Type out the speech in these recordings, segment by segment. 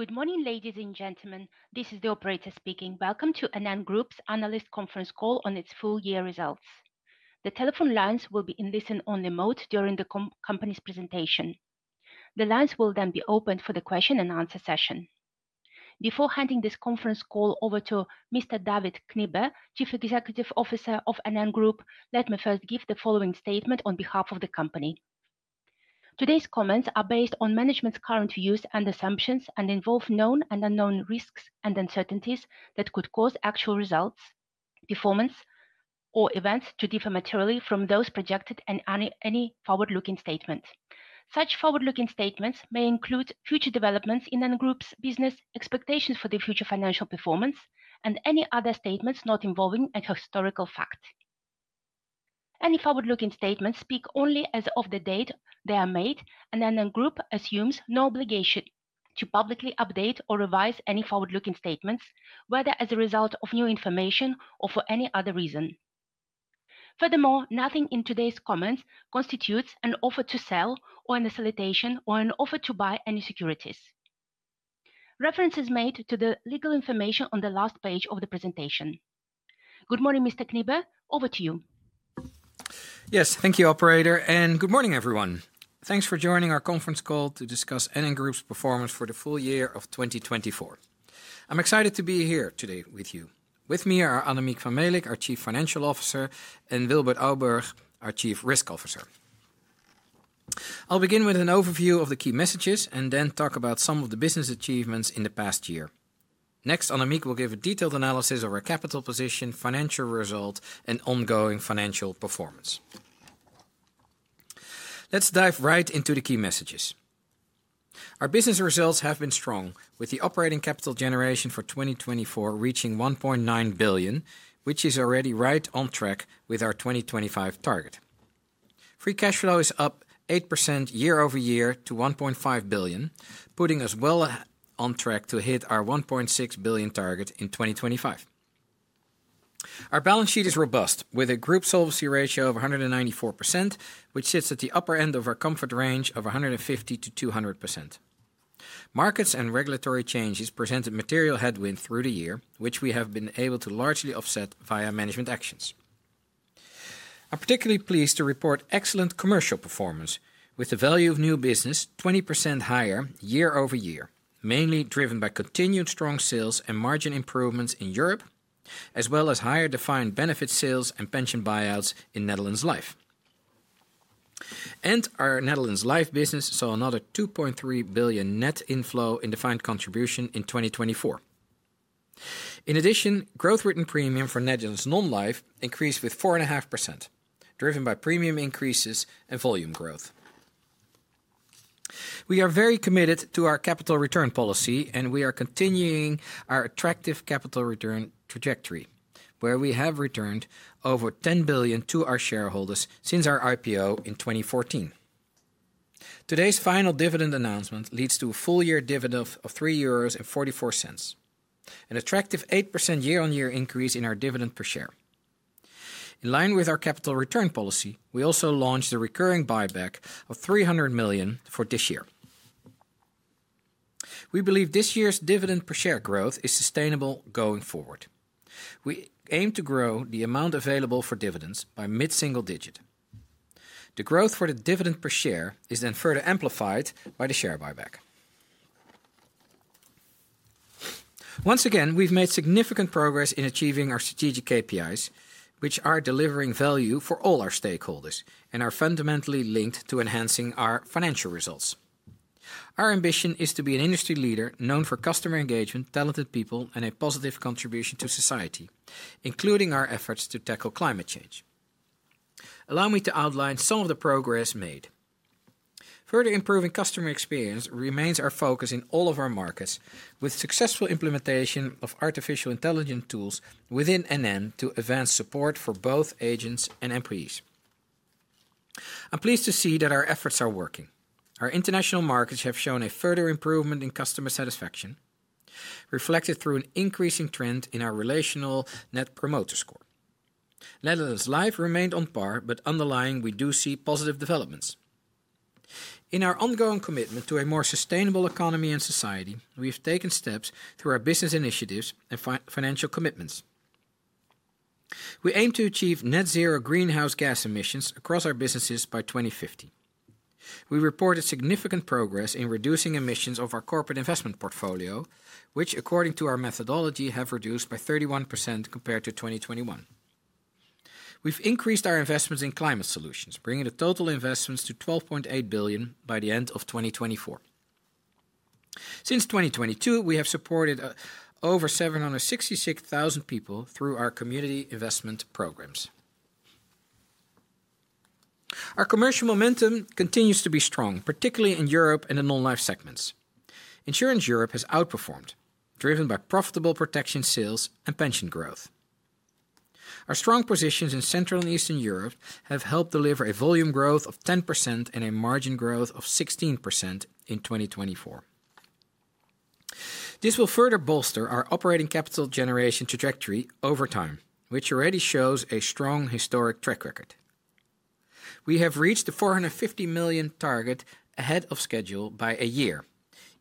Good morning, ladies and gentlemen. This is the operator speaking. Welcome to NN Group's Analyst Conference Call on its full-year results. The telephone lines will be in listen-only mode during the company's presentation. The lines will then be opened for the question-and-answer session. Before handing this conference call over to Mr. David Knibbe, Chief Executive Officer of NN Group, let me first give the following statement on behalf of the company. Today's comments are based on management's current views and assumptions and involve known and unknown risks and uncertainties that could cause actual results, performance, or events to differ materially from those projected in any forward-looking statement. Such forward-looking statements may include future developments in NN Group's business, expectations for the future financial performance, and any other statements not involving a historical fact. Any forward-looking statements speak only as of the date they are made, and NN Group assumes no obligation to publicly update or revise any forward-looking statements, whether as a result of new information or for any other reason. Furthermore, nothing in today's comments constitutes an offer to sell or a facilitation or an offer to buy any securities. Reference is made to the legal information on the last page of the presentation. Good morning, Mr. Knibbe. Over to you. Yes, thank you, Operator, and good morning, everyone. Thanks for joining our conference call to discuss NN Group's performance for the full year of 2024. I'm excited to be here today with you. With me are Annemiek van Melick, our Chief Financial Officer, and Wilbert Ouburg, our Chief Risk Officer. I'll begin with an overview of the key messages and then talk about some of the business achievements in the past year. Next, Annemiek will give a detailed analysis of our capital position, financial result, and ongoing financial performance. Let's dive right into the key messages. Our business results have been strong, with the operating capital generation for 2024 reaching 1.9 billion, which is already right on track with our 2025 target. Free cash flow is up 8% year-over-year to 1.5 billion, putting us well on track to hit our 1.6 billion target in 2025. Our balance sheet is robust, with a group solvency ratio of 194%, which sits at the upper end of our comfort range of 150%-200%. Markets and regulatory changes presented material headwinds through the year, which we have been able to largely offset via management actions. I'm particularly pleased to report excellent commercial performance, with the value of new business 20% higher year-over-year, mainly driven by continued strong sales and margin improvements in Europe, as well as higher defined benefit sales and pension buyouts in Netherlands Life. Our Netherlands Life business saw another 2.3 billion net inflow in defined contribution in 2024. In addition, gross written premium for Netherlands Non-Life increased with 4.5%, driven by premium increases and volume growth. We are very committed to our capital return policy, and we are continuing our attractive capital return trajectory, where we have returned over 10 billion to our shareholders since our IPO in 2014. Today's final dividend announcement leads to a full-year dividend of 3.44 euros, an attractive 8% year-on-year increase in our dividend per share. In line with our capital return policy, we also launched a recurring buyback of 300 million for this year. We believe this year's dividend per share growth is sustainable going forward. We aim to grow the amount available for dividends by mid-single digit. The growth for the dividend per share is then further amplified by the share buyback. Once again, we've made significant progress in achieving our strategic KPIs, which are delivering value for all our stakeholders and are fundamentally linked to enhancing our financial results. Our ambition is to be an industry leader known for customer engagement, talented people, and a positive contribution to society, including our efforts to tackle climate change. Allow me to outline some of the progress made. Further improving customer experience remains our focus in all of our markets, with successful implementation of artificial intelligence tools within NN to advance support for both agents and employees. I'm pleased to see that our efforts are working. Our international markets have shown a further improvement in customer satisfaction, reflected through an increasing trend in our relational Net Promoter Score. Netherlands Life remained on par, but underlying we do see positive developments. In our ongoing commitment to a more sustainable economy and society, we have taken steps through our business initiatives and financial commitments. We aim to achieve net zero greenhouse gas emissions across our businesses by 2050. We reported significant progress in reducing emissions of our corporate investment portfolio, which, according to our methodology, have reduced by 31% compared to 2021. We've increased our investments in climate solutions, bringing the total investments to 12.8 billion by the end of 2024. Since 2022, we have supported over 766,000 people through our community investment programs. Our commercial momentum continues to be strong, particularly in Europe and the Non-Life segments. Insurance Europe has outperformed, driven by profitable protection sales and pension growth. Our strong positions in Central and Eastern Europe have helped deliver a volume growth of 10% and a margin growth of 16% in 2024. This will further bolster our operating capital generation trajectory over time, which already shows a strong historic track record. We have reached the 450 million target ahead of schedule by a year,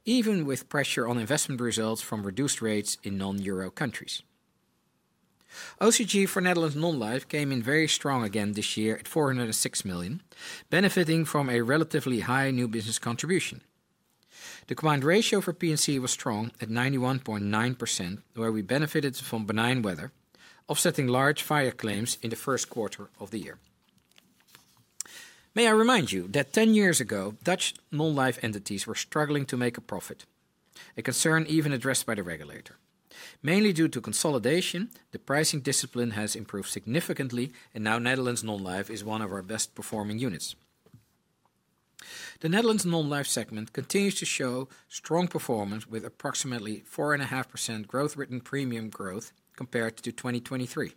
even with pressure on investment results from reduced rates in non-European countries. OCG for Netherlands Non-Life came in very strong again this year at 406 million, benefiting from a relatively high new business contribution. The combined ratio for P&C was strong at 91.9%, where we benefited from benign weather, offsetting large fire claims in the first quarter of the year. May I remind you that 10 years ago, Dutch Non-Life entities were struggling to make a profit, a concern even addressed by the regulator. Mainly due to consolidation, the pricing discipline has improved significantly, and now Netherlands Non-Life is one of our best-performing units. The Netherlands Non-Life segment continues to show strong performance with approximately 4.5% written premium growth compared to 2023.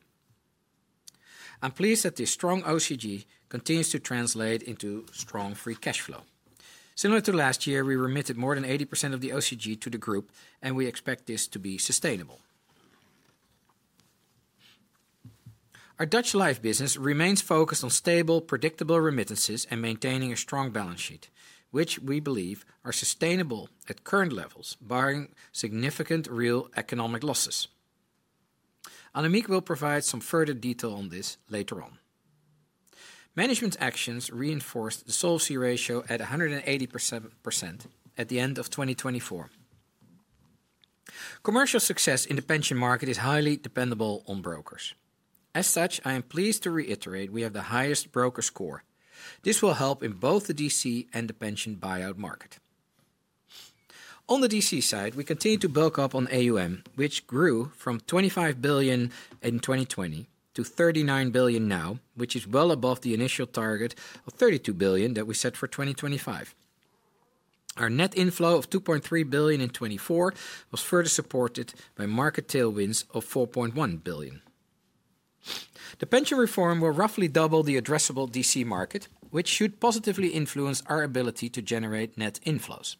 I'm pleased that this strong OCG continues to translate into strong free cash flow. Similar to last year, we remitted more than 80% of the OCG to the group, and we expect this to be sustainable. Our Dutch Life business remains focused on stable, predictable remittances and maintaining a strong balance sheet, which we believe are sustainable at current levels, barring significant real economic losses. Annemiek will provide some further detail on this later on. Management actions reinforced the solvency ratio at 180% at the end of 2024. Commercial success in the pension market is highly dependent on brokers. As such, I am pleased to reiterate we have the highest broker score. This will help in both the DC and the pension buyout market. On the DC side, we continue to bulk up on AUM, which grew from 25 billion in 2020 to 39 billion now, which is well above the initial target of 32 billion that we set for 2025. Our net inflow of 2.3 billion in 2024 was further supported by market tailwinds of 4.1 billion. The pension reform will roughly double the addressable DC market, which should positively influence our ability to generate net inflows.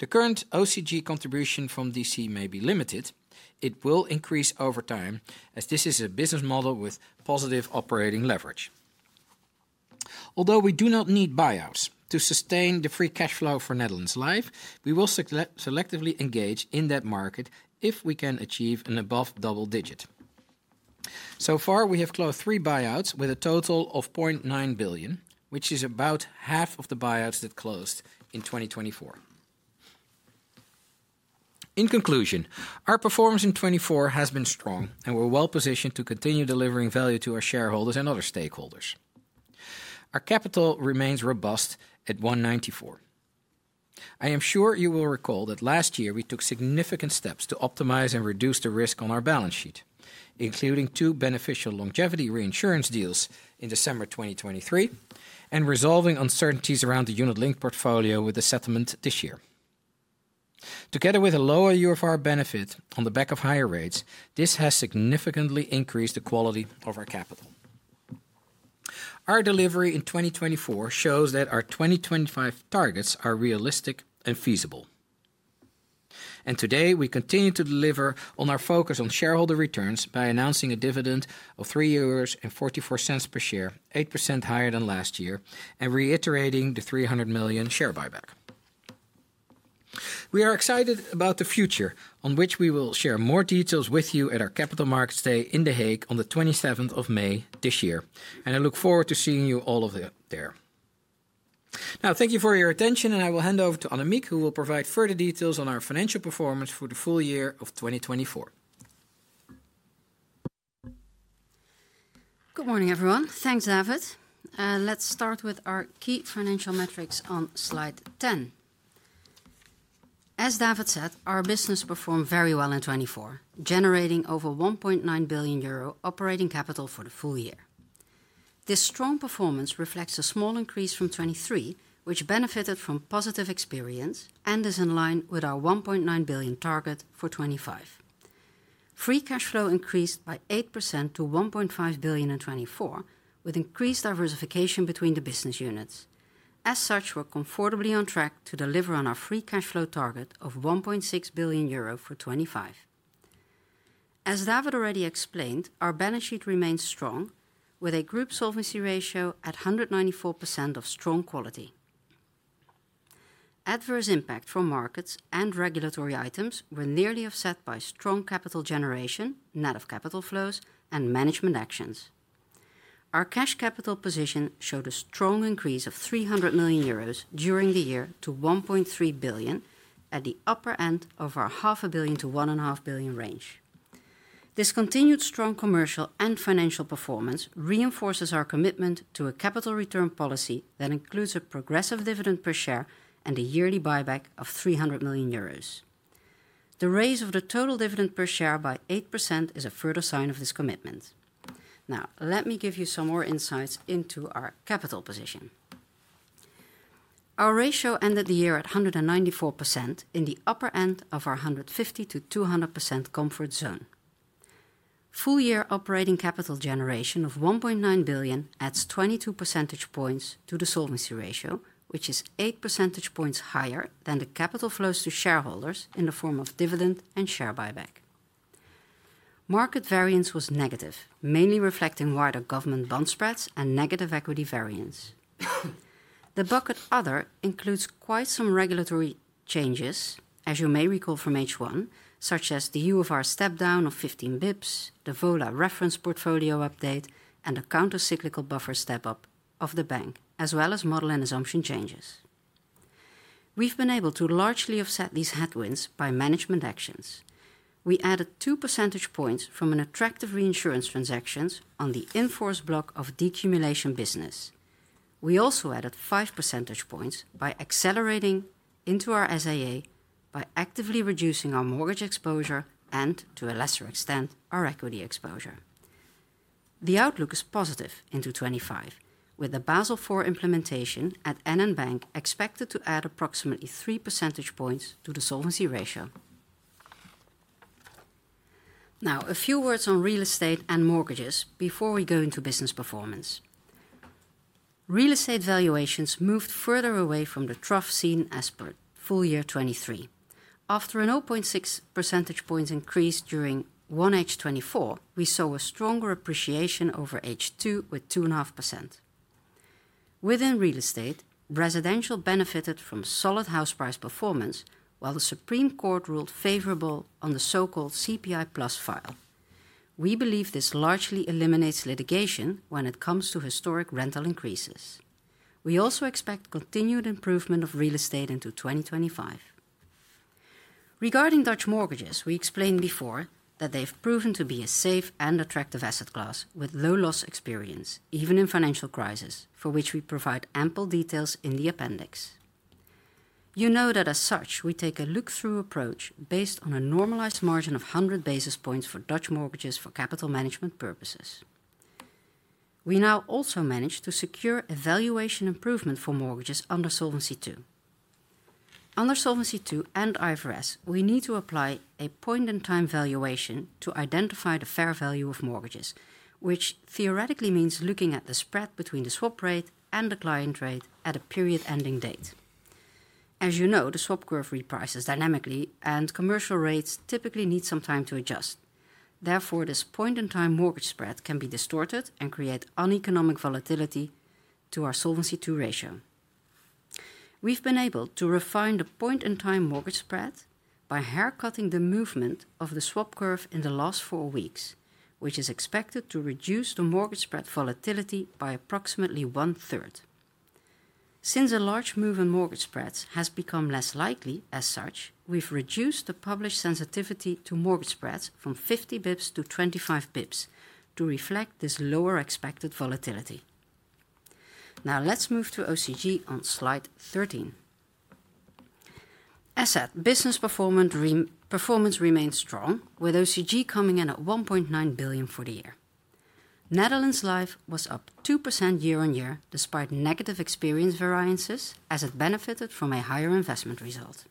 The current OCG contribution from DC may be limited. It will increase over time as this is a business model with positive operating leverage. Although we do not need buyouts to sustain the free cash flow for Netherlands Life, we will selectively engage in that market if we can achieve an above double digit. So far, we have closed three buyouts with a total of 0.9 billion, which is about half of the buyouts that closed in 2024. In conclusion, our performance in 2024 has been strong, and we're well positioned to continue delivering value to our shareholders and other stakeholders. Our capital remains robust at 194%. I am sure you will recall that last year we took significant steps to optimize and reduce the risk on our balance sheet, including two beneficial longevity reinsurance deals in December 2023 and resolving uncertainties around the unit-linked portfolio with the settlement this year. Together with a lower UFR benefit on the back of higher rates, this has significantly increased the quality of our capital. Our delivery in 2024 shows that our 2025 targets are realistic and feasible. And today, we continue to deliver on our focus on shareholder returns by announcing a dividend of 3.44 euros per share, 8% higher than last year, and reiterating the 300 million share buyback. We are excited about the future on which we will share more details with you at our Capital Markets Day in The Hague on the 27th of May this year, and I look forward to seeing you all there. Now, thank you for your attention, and I will hand over to Annemiek, who will provide further details on our financial performance for the full year of 2024. Good morning, everyone. Thanks, David. Let's start with our key financial metrics on slide 10. As David said, our business performed very well in 2024, generating over 1.9 billion euro operating capital for the full year. This strong performance reflects a small increase from 2023, which benefited from positive experience and is in line with our 1.9 billion target for 2025. Free cash flow increased by 8% to 1.5 billion in 2024, with increased diversification between the business units. As such, we're comfortably on track to deliver on our free cash flow target of 1.6 billion euro for 2025. As David already explained, our balance sheet remains strong, with a group solvency ratio at 194% of strong quality. Adverse impact from markets and regulatory items were nearly offset by strong capital generation, net of capital flows, and management actions. Our cash capital position showed a strong increase of 300 million euros during the year to 1.3 billion, at the upper end of our 0.5 billion-1.5 billion range. This continued strong commercial and financial performance reinforces our commitment to a capital return policy that includes a progressive dividend per share and a yearly buyback of 300 million euros. The raise of the total dividend per share by 8% is a further sign of this commitment. Now, let me give you some more insights into our capital position. Our ratio ended the year at 194%, in the upper end of our 150%-200% comfort zone. Full-year operating capital generation of 1.9 billion adds 22 percentage points to the solvency ratio, which is 8 percentage points higher than the capital flows to shareholders in the form of dividend and share buyback. Market variance was negative, mainly reflecting wider government bond spreads and negative equity variance. The bucket other includes quite some regulatory changes, as you may recall from H1, such as the UFR step-down of 15 basis points, the VA reference portfolio update, and the countercyclical buffer step-up of the bank, as well as model and assumption changes. We've been able to largely offset these headwinds by management actions. We added 2 percentage points from an attractive reinsurance transaction on the in-force block of decumulation business. We also added 5 percentage points by accelerating into our SAA by actively reducing our mortgage exposure and, to a lesser extent, our equity exposure. The outlook is positive into 2025, with the Basel IV implementation at NN Bank expected to add approximately three percentage points to the solvency ratio. Now, a few words on real estate and mortgages before we go into business performance. Real estate valuations moved further away from the trough seen as per full year 2023. After a 0.6 percentage points increase during 1H24, we saw a stronger appreciation over H2 with 2.5%. Within real estate, residential benefited from solid house price performance, while the Supreme Court ruled favorable on the so-called CPI Plus file. We believe this largely eliminates litigation when it comes to historic rental increases. We also expect continued improvement of real estate into 2025. Regarding Dutch mortgages, we explained before that they've proven to be a safe and attractive asset class with low loss experience, even in financial crises, for which we provide ample details in the appendix. You know that as such, we take a look-through approach based on a normalized margin of 100 basis points for Dutch mortgages for capital management purposes. We now also manage to secure a valuation improvement for mortgages under Solvency II. Under Solvency II and IFRS, we need to apply a point-in-time valuation to identify the fair value of mortgages, which theoretically means looking at the spread between the swap rate and the client rate at a period-ending date. As you know, the swap curve reprices dynamically, and commercial rates typically need some time to adjust. Therefore, this point-in-time mortgage spread can be distorted and create uneconomic volatility to our Solvency II ratio. We've been able to refine the point-in-time mortgage spread by haircutting the movement of the swap curve in the last four weeks, which is expected to reduce the mortgage spread volatility by approximately one-third. Since a large move in mortgage spreads has become less likely, as such, we've reduced the published sensitivity to mortgage spreads from 50 basis points to 25 basis points to reflect this lower expected volatility. Now, let's move to OCG on slide 13. As said, business performance remains strong, with OCG coming in at 1.9 billion for the year. Netherlands Life was up 2% year-on-year despite negative experience variances as it benefited from a higher investment result.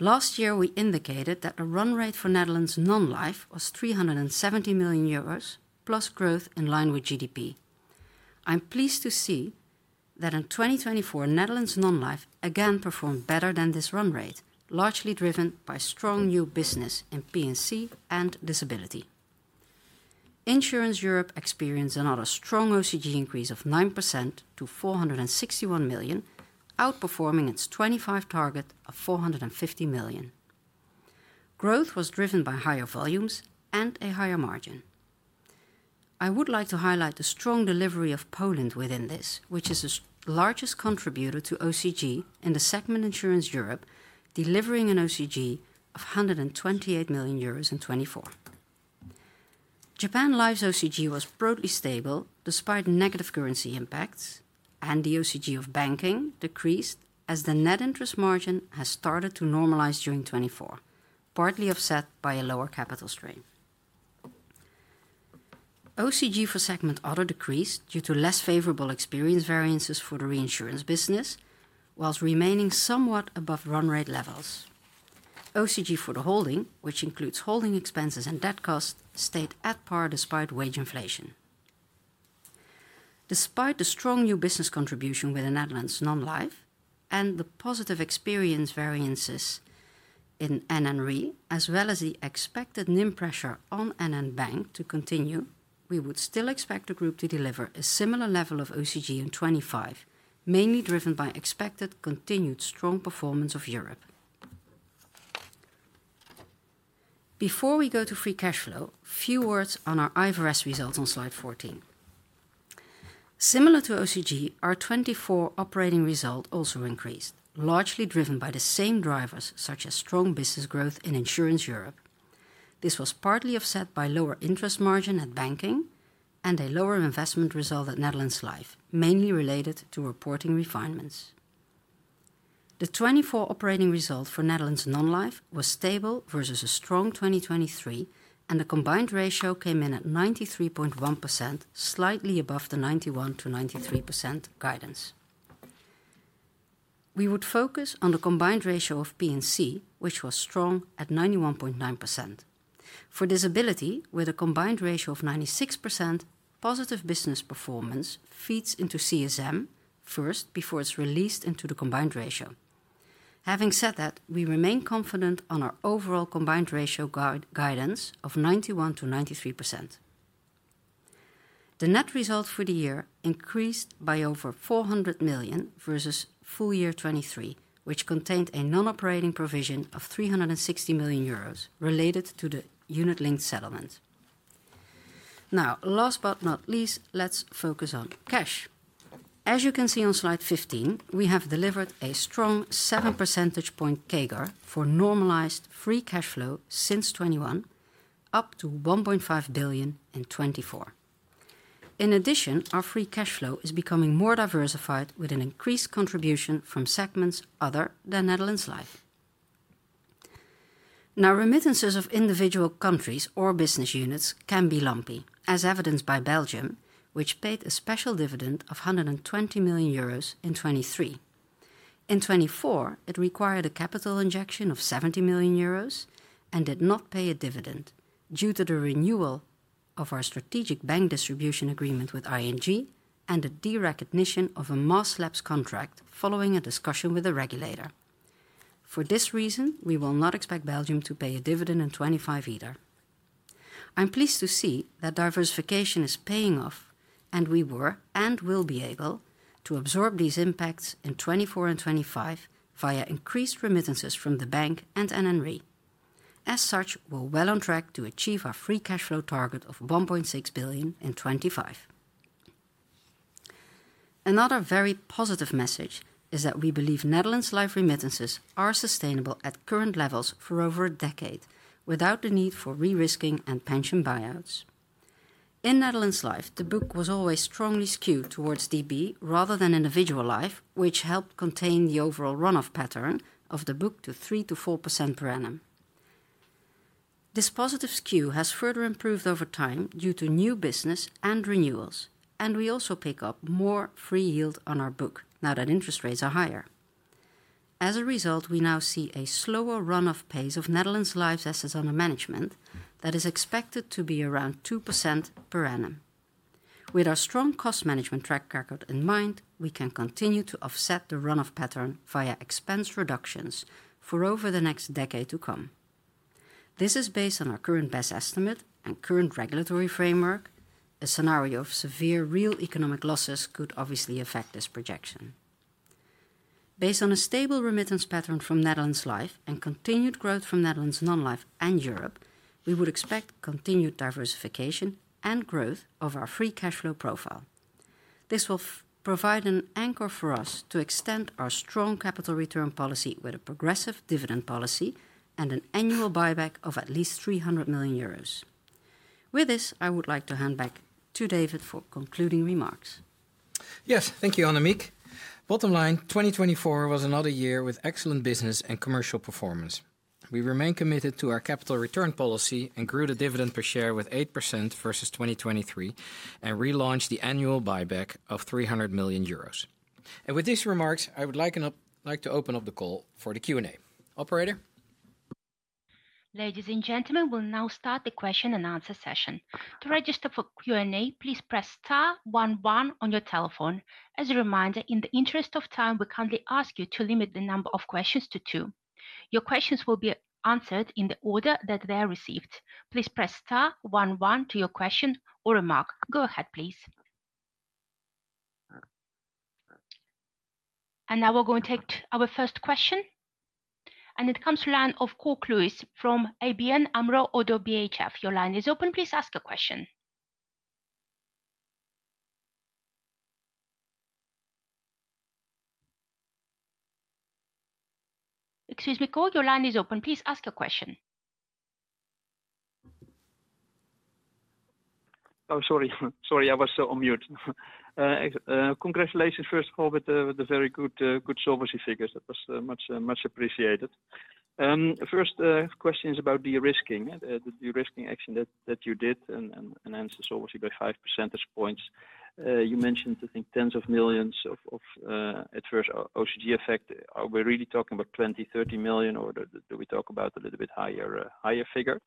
Last year, we indicated that the run rate for Netherlands Non-Life was 370 million euros plus growth in line with GDP. I'm pleased to see that in 2024, Netherlands Non-Life again performed better than this run rate, largely driven by strong new business in P&C and disability. Insurance Europe experienced another strong OCG increase of 9% to 461 million, outperforming its 2025 target of 450 million. Growth was driven by higher volumes and a higher margin. I would like to highlight the strong delivery of Poland within this, which is the largest contributor to OCG in the segment Insurance Europe, delivering an OCG of 128 million euros in 2024. Japan Life's OCG was broadly stable despite negative currency impacts, and the OCG of banking decreased as the net interest margin has started to normalize during 2024, partly offset by a lower capital strain. OCG for segment Other decreased due to less favorable experience variances for the reinsurance business, while remaining somewhat above run rate levels. OCG for the Holding, which includes holding expenses and debt costs, stayed at par despite wage inflation. Despite the strong new business contribution within Netherlands Non-Life and the positive experience variances in NN Re, as well as the expected NIM pressure on NN Bank to continue, we would still expect the group to deliver a similar level of OCG in 2025, mainly driven by expected continued strong performance of Europe. Before we go to free cash flow, a few words on our IFRS results on slide 14. Similar to OCG, our 2024 operating result also increased, largely driven by the same drivers such as strong business growth in Insurance Europe. This was partly offset by lower interest margin at banking and a lower investment result at Netherlands Life, mainly related to reporting refinements. The 2024 operating result for Netherlands Non-Life was stable versus a strong 2023, and the combined ratio came in at 93.1%, slightly above the 91%-93% guidance. We would focus on the combined ratio of P&C, which was strong at 91.9%. For disability, with a combined ratio of 96%, positive business performance feeds into CSM first before it's released into the combined ratio. Having said that, we remain confident on our overall combined ratio guidance of 91%-93%. The net result for the year increased by over 400 million versus full year 2023, which contained a non-operating provision of 360 million euros related to the unit-linked settlement. Now, last but not least, let's focus on cash. As you can see on slide 15, we have delivered a strong seven percentage point CAGR for normalized free cash flow since 2021, up to 1.5 billion in 2024. In addition, our free cash flow is becoming more diversified with an increased contribution from segments other than Netherlands Life. Now, remittances of individual countries or business units can be lumpy, as evidenced by Belgium, which paid a special dividend of 120 million euros in 2023. In 2024, it required a capital injection of 70 million euros and did not pay a dividend due to the renewal of our strategic bank distribution agreement with ING and the derecognition of a mass lapse contract following a discussion with a regulator. For this reason, we will not expect Belgium to pay a dividend in 2025 either. I'm pleased to see that diversification is paying off, and we were and will be able to absorb these impacts in 2024 and 2025 via increased remittances from the bank and NN Re. As such, we're well on track to achieve our free cash flow target of 1.6 billion in 2025. Another very positive message is that we believe Netherlands Life remittances are sustainable at current levels for over a decade, without the need for re-risking and pension buyouts. In Netherlands Life, the book was always strongly skewed towards DB rather than individual Life, which helped contain the overall run-off pattern of the book to 3%-4% per annum. This positive skew has further improved over time due to new business and renewals, and we also pick up more free yield on our book now that interest rates are higher. As a result, we now see a slower run-off pace of Netherlands Life's assets under management that is expected to be around 2% per annum. With our strong cost management track record in mind, we can continue to offset the run-off pattern via expense reductions for over the next decade to come. This is based on our current best estimate and current regulatory framework. A scenario of severe real economic losses could obviously affect this projection. Based on a stable remittance pattern from Netherlands Life and continued growth from Netherlands Non-Life and Europe, we would expect continued diversification and growth of our free cash flow profile. This will provide an anchor for us to extend our strong capital return policy with a progressive dividend policy and an annual buyback of at least 300 million euros. With this, I would like to hand back to David for concluding remarks. Yes, thank you, Annemiek. Bottom line, 2024 was another year with excellent business and commercial performance. We remain committed to our capital return policy and grew the dividend per share with 8% versus 2023 and relaunched the annual buyback of 300 million euros. And with these remarks, I would like to open up the call for the Q&A. Operator. Ladies and gentlemen, we'll now start the question and answer session. To register for Q&A, please press star 11 on your telephone. As a reminder, in the interest of time, we kindly ask you to limit the number of questions to two. Your questions will be answered in the order that they are received. Please press star 11 to your question or remark. Go ahead, please. And now we're going to take our first question. And it comes from the line of Cor Kluis from ABN AMRO-ODDO BHF. Your line is open. Please ask a question. Excuse me, Cor, your line is open. Please ask a question. Oh, sorry. Sorry, I was on mute. Congratulations, first of all, with the very good solvency figures. That was much, much appreciated. First question is about de-risking, the de-risking action that you did and an impact on solvency by five percentage points. You mentioned, I think, tens of millions of adverse OCG effect. Are we really talking about 20 million, 30 million, or do we talk about a little bit higher figure?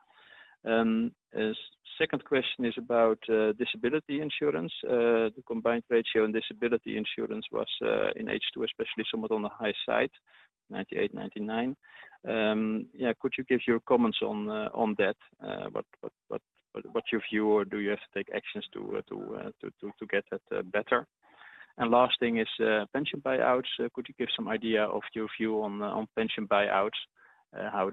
Second question is about disability insurance. The combined ratio in disability insurance was in H2, especially somewhat on the high side, 98%, 99%. Yeah, could you give your comments on that? What's your view, or do you have to take actions to get that better? And last thing is pension buyouts. Could you give some idea of your view on pension buyouts, how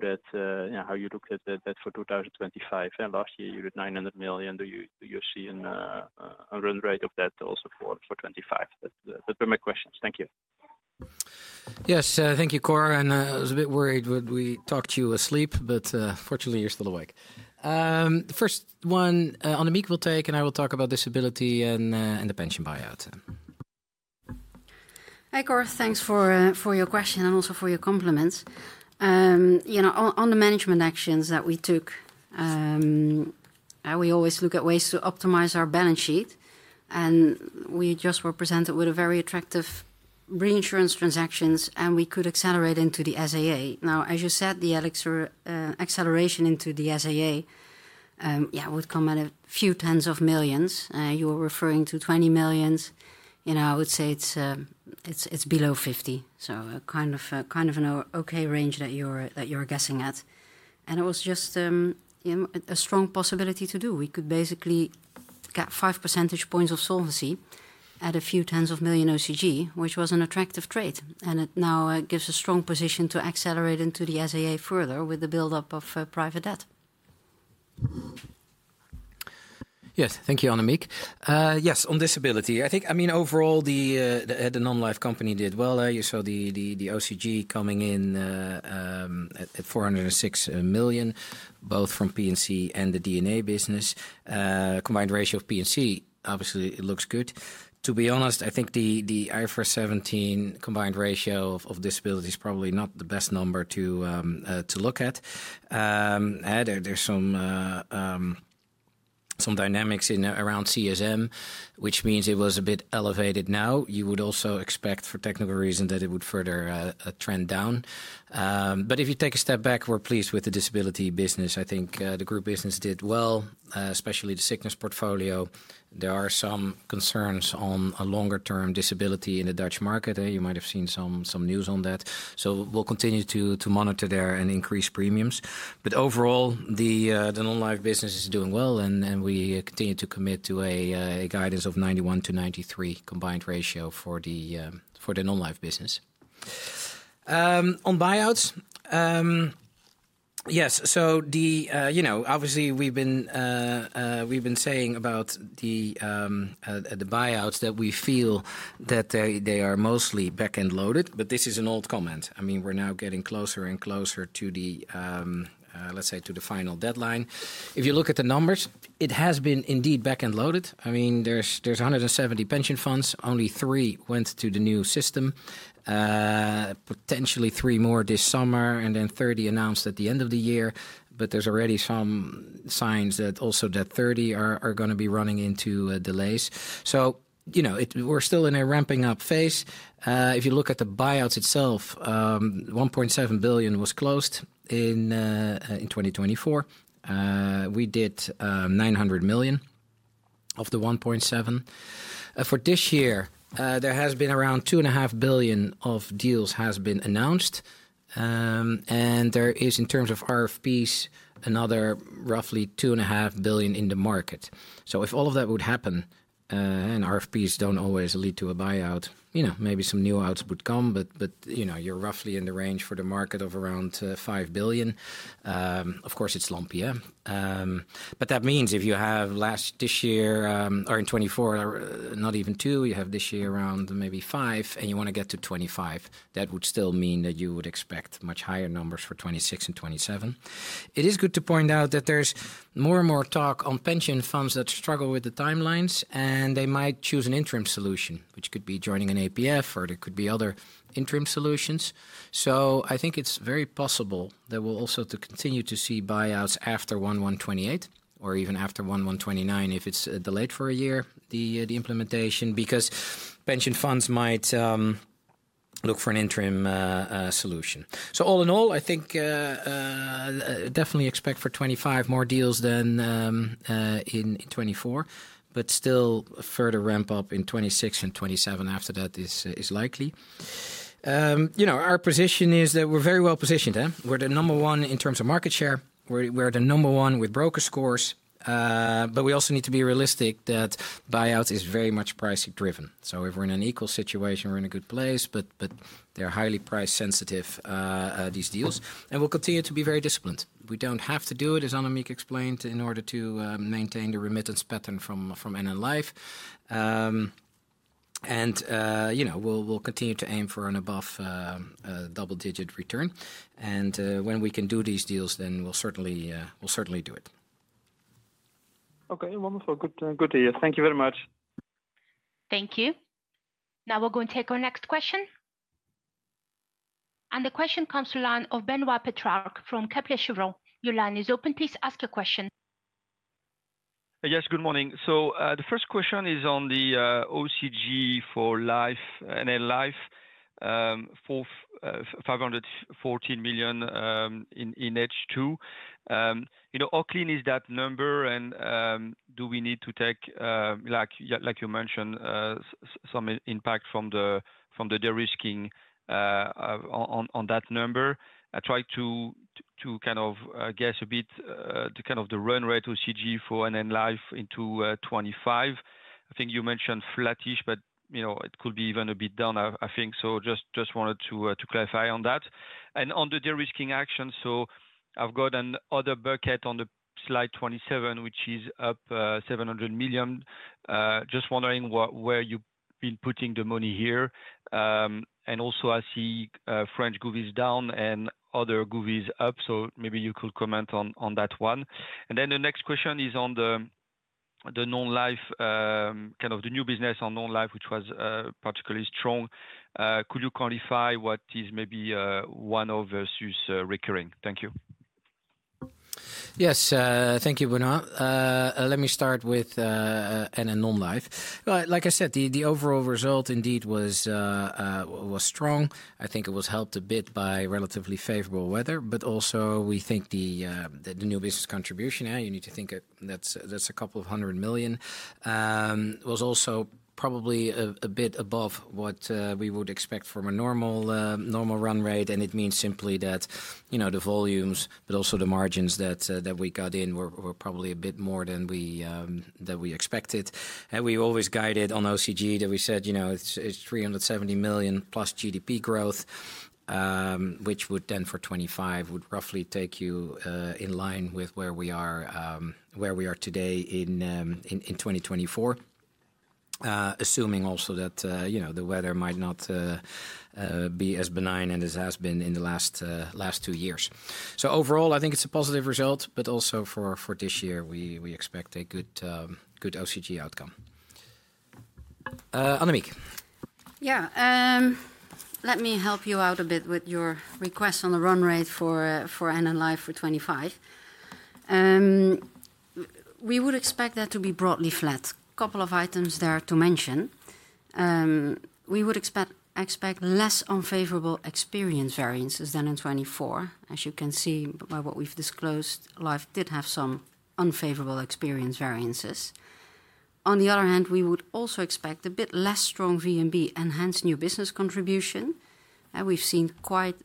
you looked at that for 2025? Last year, you did 900 million. Do you see a run rate of that also for 2025? Those were my questions. Thank you. Yes, thank you, Cor. And I was a bit worried when we talked to you asleep, but fortunately, you're still awake. First one, Annemiek will take, and I will talk about disability and the pension buyout. Hi, Cor. Thanks for your question and also for your compliments. On the management actions that we took, we always look at ways to optimize our balance sheet, and we just were presented with very attractive reinsurance transactions, and we could accelerate into the SAA. Now, as you said, the acceleration into the SAA, yeah, would come at a few tens of millions. You were referring to 20 million. I would say it's below 50, so kind of an okay range that you're guessing at. And it was just a strong possibility to do. We could basically get five percentage points of solvency at a few tens of million OCG, which was an attractive trade. And it now gives a strong position to accelerate into the SAA further with the build-up of private debt. Yes, thank you, Annemiek. Yes, on disability, I think, I mean, overall, the Non-Life company did well. You saw the OCG coming in at 406 million, both from P&C and the D&A business. Combined ratio of P&C, obviously, it looks good. To be honest, I think the IFRS 17 combined ratio of disability is probably not the best number to look at. There's some dynamics around CSM, which means it was a bit elevated. Now, you would also expect for technical reasons that it would further trend down. But if you take a step back, we're pleased with the disability business. I think the group business did well, especially the sickness portfolio. There are some concerns on a longer-term disability in the Dutch market. You might have seen some news on that, so we'll continue to monitor there and increase premiums, but overall, the Non-Life business is doing well, and we continue to commit to a guidance of 91%-93% combined ratio for the Non-Life business. On buyouts, yes, so obviously, we've been saying about the buyouts that we feel that they are mostly back-end loaded, but this is an old comment. I mean, we're now getting closer and closer to the, let's say, to the final deadline. If you look at the numbers, it has been indeed back-end loaded. I mean, there's 170 pension funds. Only three went to the new system, potentially three more this summer, and then 30 announced at the end of the year, but there's already some signs that also that 30 are going to be running into delays, so we're still in a ramping-up phase. If you look at the buyouts itself, 1.7 billion was closed in 2024. We did 900 million of the 1.7 billion. For this year, there has been around 2.5 billion of deals that have been announced. There is, in terms of RFPs, another roughly 2.5 billion in the market. If all of that would happen, and RFPs don't always lead to a buyout, maybe some new buyouts would come, but you're roughly in the range for the market of around 5 billion. Of course, it's lumpy, yeah. That means if you have last this year, or in 2024, not even two, you have this year around maybe five, and you want to get to 25, that would still mean that you would expect much higher numbers for 2026 and 2027. It is good to point out that there's more and more talk on pension funds that struggle with the timelines, and they might choose an interim solution, which could be joining an APF, or there could be other interim solutions. So I think it's very possible that we'll also continue to see buyouts after 2028, or even after 2029 if it's delayed for a year, the implementation, because pension funds might look for an interim solution. So all in all, I think definitely expect for 2025 more deals than in 2024, but still a further ramp-up in 2026 and 2027 after that is likely. Our position is that we're very well positioned. We're the number one in terms of market share. We're the number one with broker scores. But we also need to be realistic that buyouts are very much price-driven. So if we're in an equal situation, we're in a good place, but they're highly price-sensitive, these deals. And we'll continue to be very disciplined. We don't have to do it, as Annemiek explained, in order to maintain the remittance pattern from NN Life. And we'll continue to aim for an above double-digit return. And when we can do these deals, then we'll certainly do it. Okay, wonderful. Good to hear. Thank you very much. Thank you. Now we're going to take our next question. And the question comes to the line of Benoit Pétrarque from Kepler Cheuvreux. Your line is open. Please ask your question. Yes, good morning. So the first question is on the OCG for NN Life for EUR 514 million in H2. How clean is that number? And do we need to take, like you mentioned, some impact from the de-risking on that number? I tried to kind of guess a bit the kind of the run rate OCG for NN Life into 25. I think you mentioned flattish, but it could be even a bit down, I think. So just wanted to clarify on that. And on the de-risking action, so I've got another bucket on the slide 27, which is up 700 million. Just wondering where you've been putting the money here. And also, I see French govvies down and other govvies up. So maybe you could comment on that one. And then the next question is on the Non-Life, kind of the new business on Non-Life, which was particularly strong. Could you qualify what is maybe one-off versus recurring? Thank you. Yes, thank you, Benoit. Let me start with NN Non-Life. Like I said, the overall result indeed was strong. I think it was helped a bit by relatively favorable weather, but also we think the new business contribution, you need to think that's a couple of hundred million, was also probably a bit above what we would expect from a normal run rate. And it means simply that the volumes, but also the margins that we got in were probably a bit more than we expected. And we always guided on OCG that we said it's 370 million plus GDP growth, which would then for 2025 would roughly take you in line with where we are today in 2024, assuming also that the weather might not be as benign as it has been in the last two years. So overall, I think it's a positive result, but also for this year, we expect a good OCG outcome. Annemiek. Yeah, let me help you out a bit with your request on the run rate for NN Life for 25. We would expect that to be broadly flat. A couple of items there to mention. We would expect less unfavorable experience variances than in 24. As you can see by what we've disclosed, Life did have some unfavorable experience variances. On the other hand, we would also expect a bit less strong VNB and hence new business contribution. We've seen quite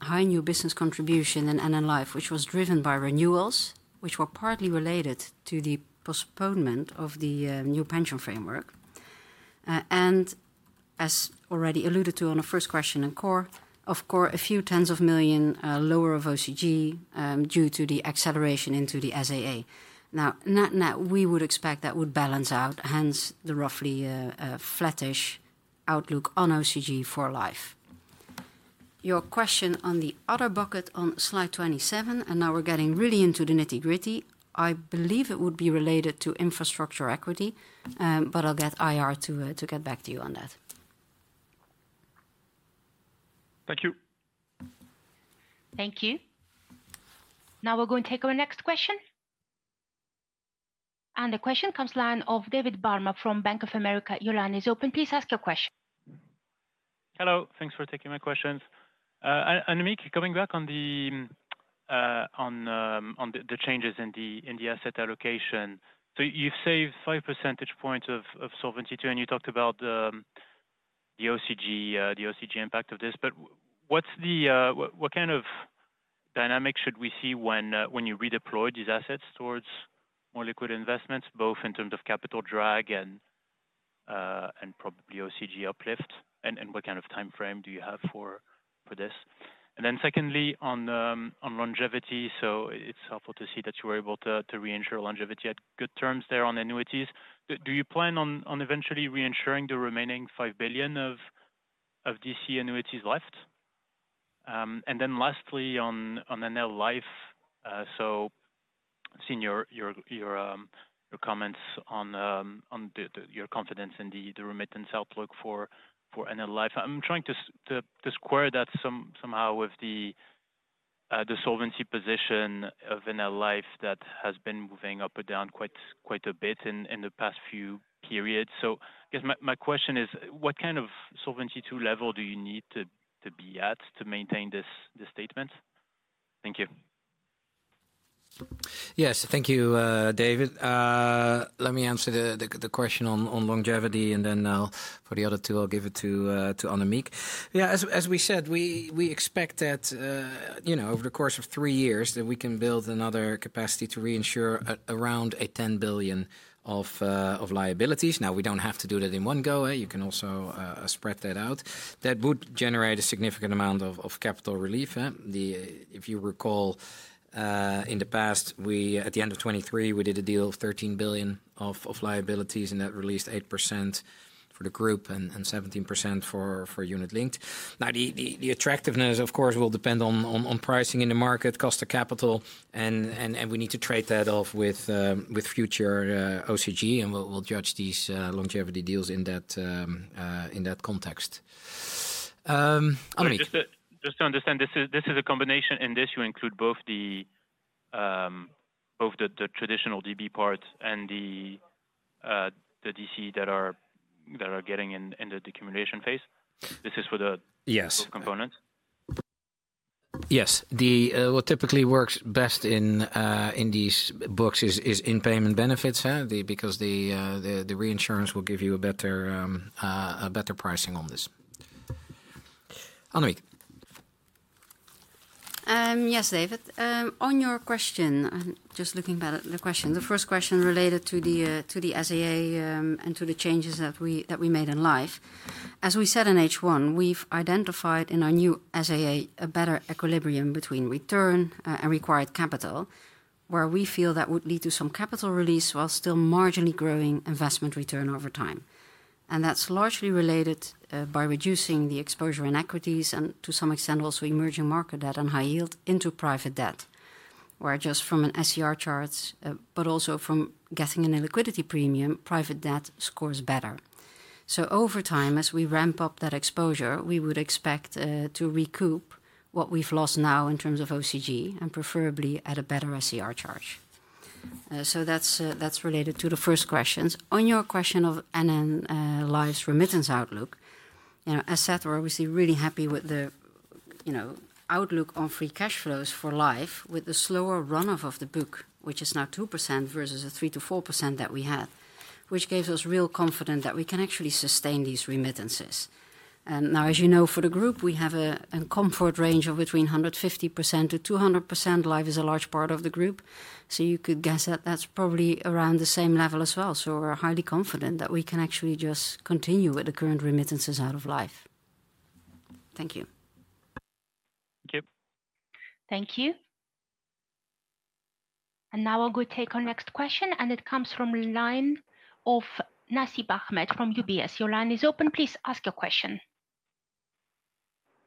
high new business contribution in NN Life, which was driven by renewals, which were partly related to the postponement of the new pension framework. As already alluded to on the first question and call, of course, a few tens of million lower of OCG due to the acceleration into the SAA. Now, we would expect that would balance out, hence the roughly flattish outlook on OCG for Life. Your question on the other bucket on slide 27, and now we're getting really into the nitty-gritty. I believe it would be related to infrastructure equity, but I'll get IR to get back to you on that. Thank you. Thank you. Now we're going to take our next question. And the question comes to line of David Barma from Bank of America. Your line is open. Please ask your question. Hello, thanks for taking my questions. Annemiek, coming back on the changes in the asset allocation. So you've saved five percentage points of Solvency II, and you talked about the OCG impact of this. But what kind of dynamic should we see when you redeploy these assets towards more liquid investments, both in terms of capital drag and probably OCG uplift? And what kind of time frame do you have for this? And then secondly, on longevity, so it's helpful to see that you were able to reinsure longevity at good terms there on annuities. Do you plan on eventually reinsuring the remaining 5 billion of DC annuities left? And then lastly, on NL Life, so seeing your comments on your confidence in the remittance outlook for NL Life, I'm trying to square that somehow with the solvency position of NL Life that has been moving up and down quite a bit in the past few periods. So I guess my question is, what kind of solvency level do you need to be at to maintain this statement? Thank you. Yes, thank you, David. Let me answer the question on longevity, and then for the other two, I'll give it to Annemiek. Yeah, as we said, we expect that over the course of three years, that we can build another capacity to reinsure around 10 billion of liabilities. Now, we don't have to do that in one go. You can also spread that out. That would generate a significant amount of capital relief. If you recall, in the past, at the end of 2023, we did a deal of 13 billion of liabilities, and that released 8% for the group and 17% for Unit Linked. Now, the attractiveness, of course, will depend on pricing in the market, cost of capital, and we need to trade that off with future OCG, and we'll judge these longevity deals in that context. Annemiek. Just to understand, this is a combination in this you include both the traditional DB part and the DC that are getting in the decumulation phase? This is for the components? Yes. What typically works best in these books is in-payment benefits, because the reinsurance will give you a better pricing on this. Annemiek. Yes, David. On your question, just looking back at the question, the first question related to the SAA and to the changes that we made in Life. As we said in H1, we've identified in our new SAA a better equilibrium between return and required capital, where we feel that would lead to some capital release while still marginally growing investment return over time. And that's largely related by reducing the exposure in equities and to some extent also emerging market debt and high yield into private debt, where just from an SCR chart, but also from getting in a liquidity premium, private debt scores better. Over time, as we ramp up that exposure, we would expect to recoup what we've lost now in terms of OCG, and preferably at a better SCR charge. That's related to the first questions. On your question of NN Life's remittance outlook, as said, we're obviously really happy with the outlook on free cash flows for Life with the slower run-off of the book, which is now 2% versus the 3%-4% that we had, which gives us real confidence that we can actually sustain these remittances. As you know, for the group, we have a comfort range of between 150%-200%. Life is a large part of the group. You could guess that that's probably around the same level as well. We're highly confident that we can actually just continue with the current remittances out of Life. Thank you. Thank you. Thank you. And now I'll go take our next question, and it comes from Line of Nasib Ahmed from UBS. Your line is open. Please ask your question.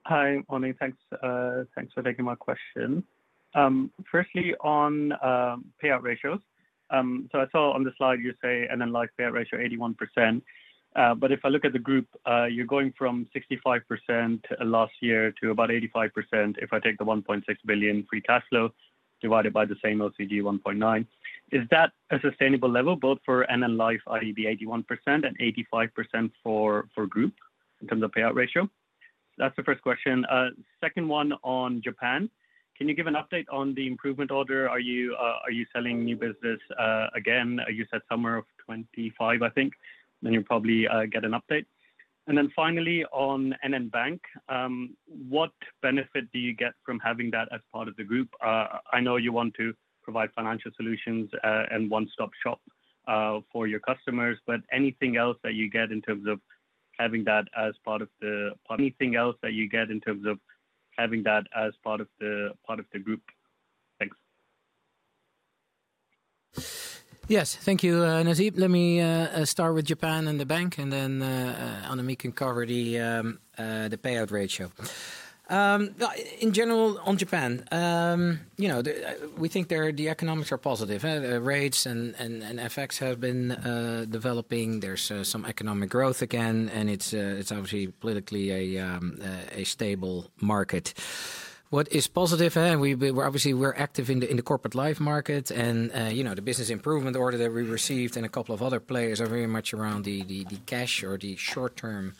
Hi, Annemiek. Thanks for taking my question. Firstly, on payout ratios, so I saw on the slide you say NN Life payout ratio 81%. But if I look at the group, you're going from 65% last year to about 85% if I take the 1.6 billion free cash flow divided by the same OCG 1.9. Is that a sustainable level both for NN Life, i.e., the 81% and 85% for group in terms of payout ratio? That's the first question. Second one on Japan. Can you give an update on the improvement order? Are you selling new business again? You said summer of 2025, I think. Then you'll probably get an update. And then finally, on NN Bank, what benefit do you get from having that as part of the group? I know you want to provide financial solutions and one-stop shop for your customers, but anything else that you get in terms of having that as part of the. Anything else that you get in terms of having that as part of the group? Thanks Yes, thank you, Nasib. Let me start with Japan and the bank, and then Annemiek can cover the payout ratio. In general, on Japan, we think the economics are positive. Rates and effects have been developing. There's some economic growth again, and it's obviously politically a stable market. What is positive? Obviously, we're active in the corporate life market, and the Business Improvement Order that we received and a couple of other players are very much around the cash or the short-term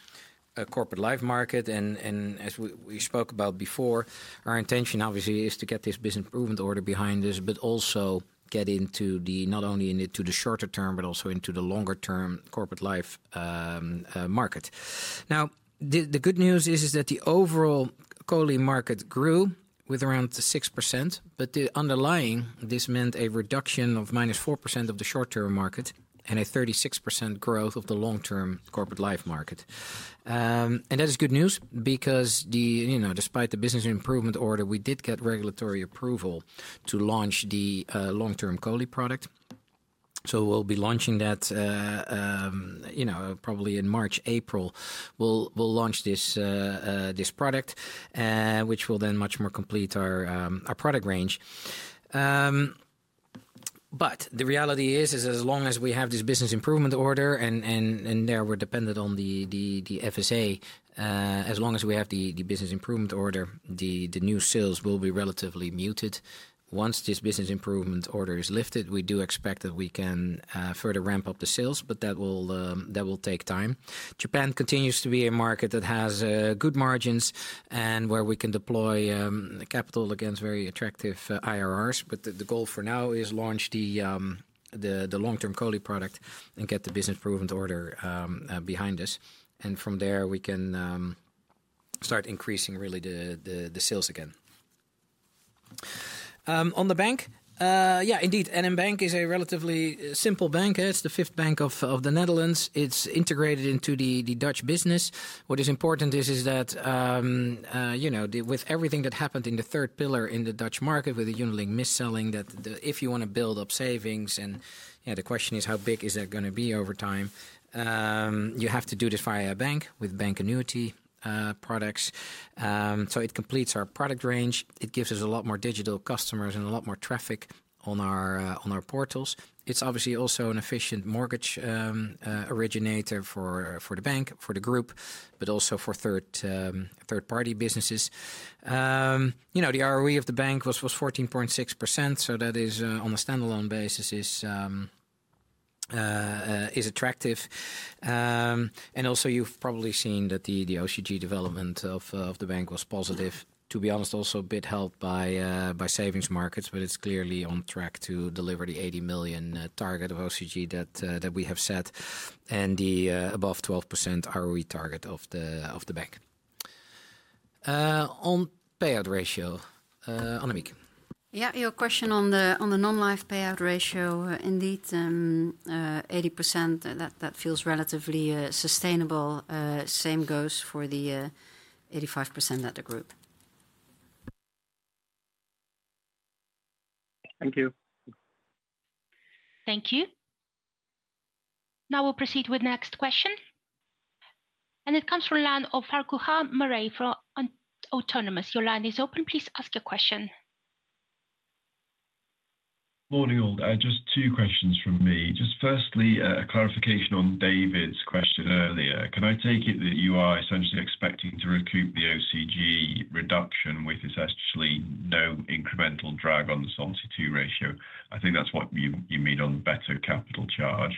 corporate life market. As we spoke about before, our intention obviously is to get this Business Improvement Order behind us, but also get into not only the short-term, but also into the longer-term corporate life market. Now, the good news is that the overall COLI market grew with around 6%, but underlying, this meant a reduction of -4% of the short-term market and a 36% growth of the long-term corporate life market. That is good news because despite the Business Improvement Order, we did get regulatory approval to launch the long-term COLI product. So we'll be launching that probably in March, April. We'll launch this product, which will then much more complete our product range. But the reality is, as long as we have this Business Improvement Order, and there we're dependent on the FSA, as long as we have the Business Improvement Order, the new sales will be relatively muted. Once this Business Improvement Order is lifted, we do expect that we can further ramp up the sales, but that will take time. Japan continues to be a market that has good margins and where we can deploy capital against very attractive IRRs, but the goal for now is to launch the long-term COLI product and get the Business Improvement Order behind us. And from there, we can start increasing really the sales again. On the bank, yeah, indeed, NN Bank is a relatively simple bank. It's the fifth bank of the Netherlands. It's integrated into the Dutch business. What is important is that with everything that happened in the third pillar in the Dutch market with the unit-linked mis-selling, that if you want to build up savings, and the question is how big is that going to be over time, you have to do this via a bank with bank annuity products. So it completes our product range. It gives us a lot more digital customers and a lot more traffic on our portals. It's obviously also an efficient mortgage originator for the bank, for the group, but also for third-party businesses. The ROE of the bank was 14.6%, so that is on a standalone basis is attractive. And also, you've probably seen that the OCG development of the bank was positive, to be honest, also a bit helped by savings markets, but it's clearly on track to deliver the 80 million target of OCG that we have set and the above 12% ROE target of the bank. On payout ratio, Annemiek. Yeah, your question on the Non-Life payout ratio, indeed, 80%, that feels relatively sustainable. Same goes for the 85% at the group. Thank you. Thank you. Now we'll proceed with the next question. And it comes from line of Farquhar Murray from Autonomous. Your line is open. Please ask your question. Morning, all. Just two questions from me. Just firstly, a clarification on David's question earlier. Can I take it that you are essentially expecting to recoup the OCG reduction with essentially no incremental drag on the Solvency II ratio? I think that's what you mean on better capital charge.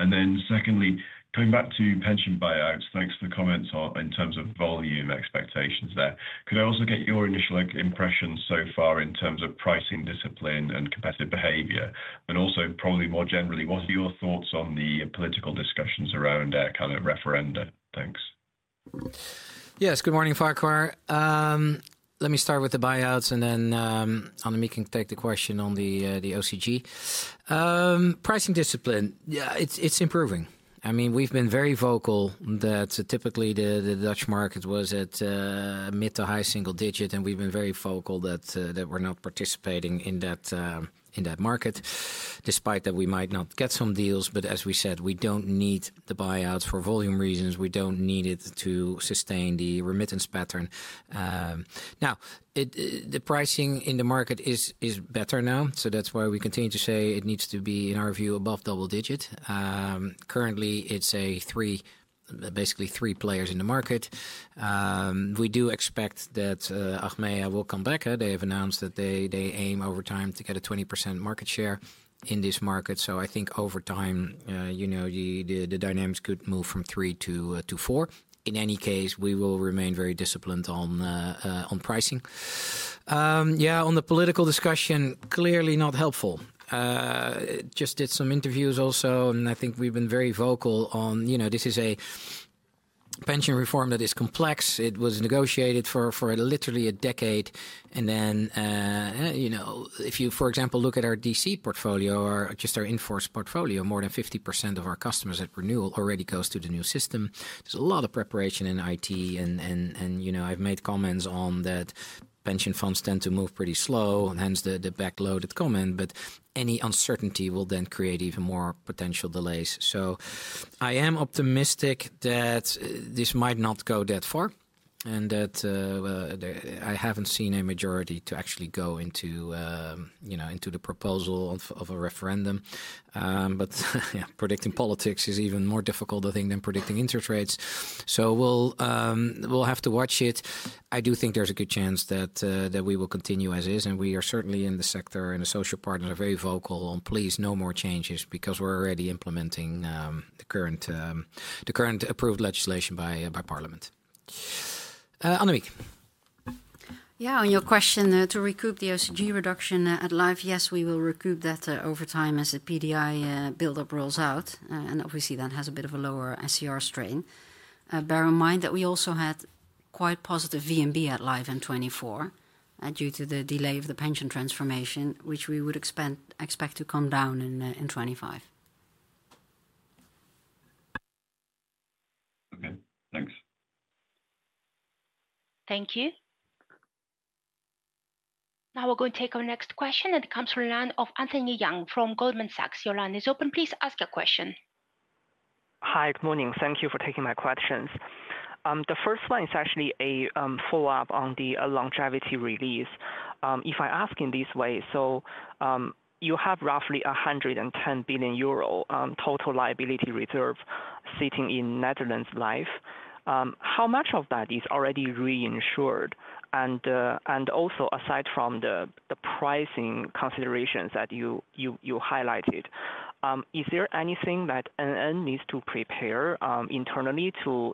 And then secondly, coming back to pension buyouts, thanks for the comments in terms of volume expectations there. Could I also get your initial impression so far in terms of pricing discipline and competitive behavior? And also, probably more generally, what are your thoughts on the political discussions around kind of referenda? Thanks. Yes, good morning, Farquhar. Let me start with the buyouts, and then Annemiek can take the question on the OCG. Pricing discipline, it's improving. I mean, we've been very vocal that typically the Dutch market was at mid to high single digit, and we've been very vocal that we're not participating in that market, despite that we might not get some deals. But as we said, we don't need the buyouts for volume reasons. We don't need it to sustain the remittance pattern. Now, the pricing in the market is better now, so that's why we continue to say it needs to be, in our view, above double digit. Currently, it's basically three players in the market. We do expect that Achmea will come back. They have announced that they aim over time to get a 20% market share in this market. So I think over time, the dynamics could move from three to four. In any case, we will remain very disciplined on pricing. Yeah, on the political discussion, clearly not helpful. Just did some interviews also, and I think we've been very vocal that this is a pension reform that is complex. It was negotiated for literally a decade. And then if you, for example, look at our DC portfolio or just our in-force portfolio, more than 50% of our customers at renewal already goes to the new system. There's a lot of preparation in IT, and I've made comments on that pension funds tend to move pretty slow, hence the backloaded comment, but any uncertainty will then create even more potential delays. So I am optimistic that this might not go that far and that I haven't seen a majority to actually go into the proposal of a referendum. But predicting politics is even more difficult, I think, than predicting interest rates. So we'll have to watch it. I do think there's a good chance that we will continue as is, and we are certainly in the sector and the social partners are very vocal on, please, no more changes because we're already implementing the current approved legislation by Parliament. Annemiek. Yeah, on your question to recoup the OCG reduction at Life, yes, we will recoup that over time as the PD buildup rolls out. And obviously, that has a bit of a lower SCR strain. Bear in mind that we also had quite positive VNB at Life in 2024 due to the delay of the pension transformation, which wewould expect to come down in 2025. Okay, thanks. Thank you. Now we're going to take our next question, and it comes from the line of Anthony Young from Goldman Sachs. Your line is open. Please ask your question. Hi, good morning. Thank you for taking my questions. The first one is actually a follow-up on the longevity release. If I ask in this way, so you have roughly 110 billion euro total liability reserve sitting in Netherlands Life. How much of that is already reinsured? And also, aside from the pricing considerations that you highlighted, is there anything that NN needs to prepare internally to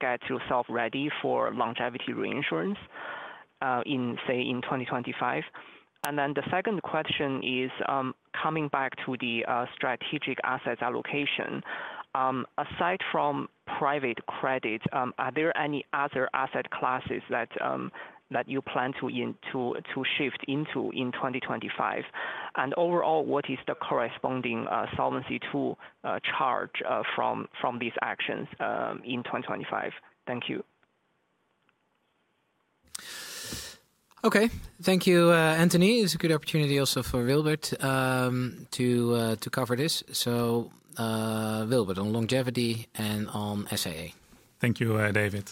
get yourself ready for longevity reinsurance in, say, in 2025? The second question is coming back to the strategic asset allocation. Aside from private credit, are there any other asset classes that you plan to shift into in 2025? And overall, what is the corresponding solvency charge from these actions in 2025? Thank you. Okay, thank you, Anthony. It's a good opportunity also for Wilbert to cover this. So Wilbert on longevity and on SAA. Thank you, David.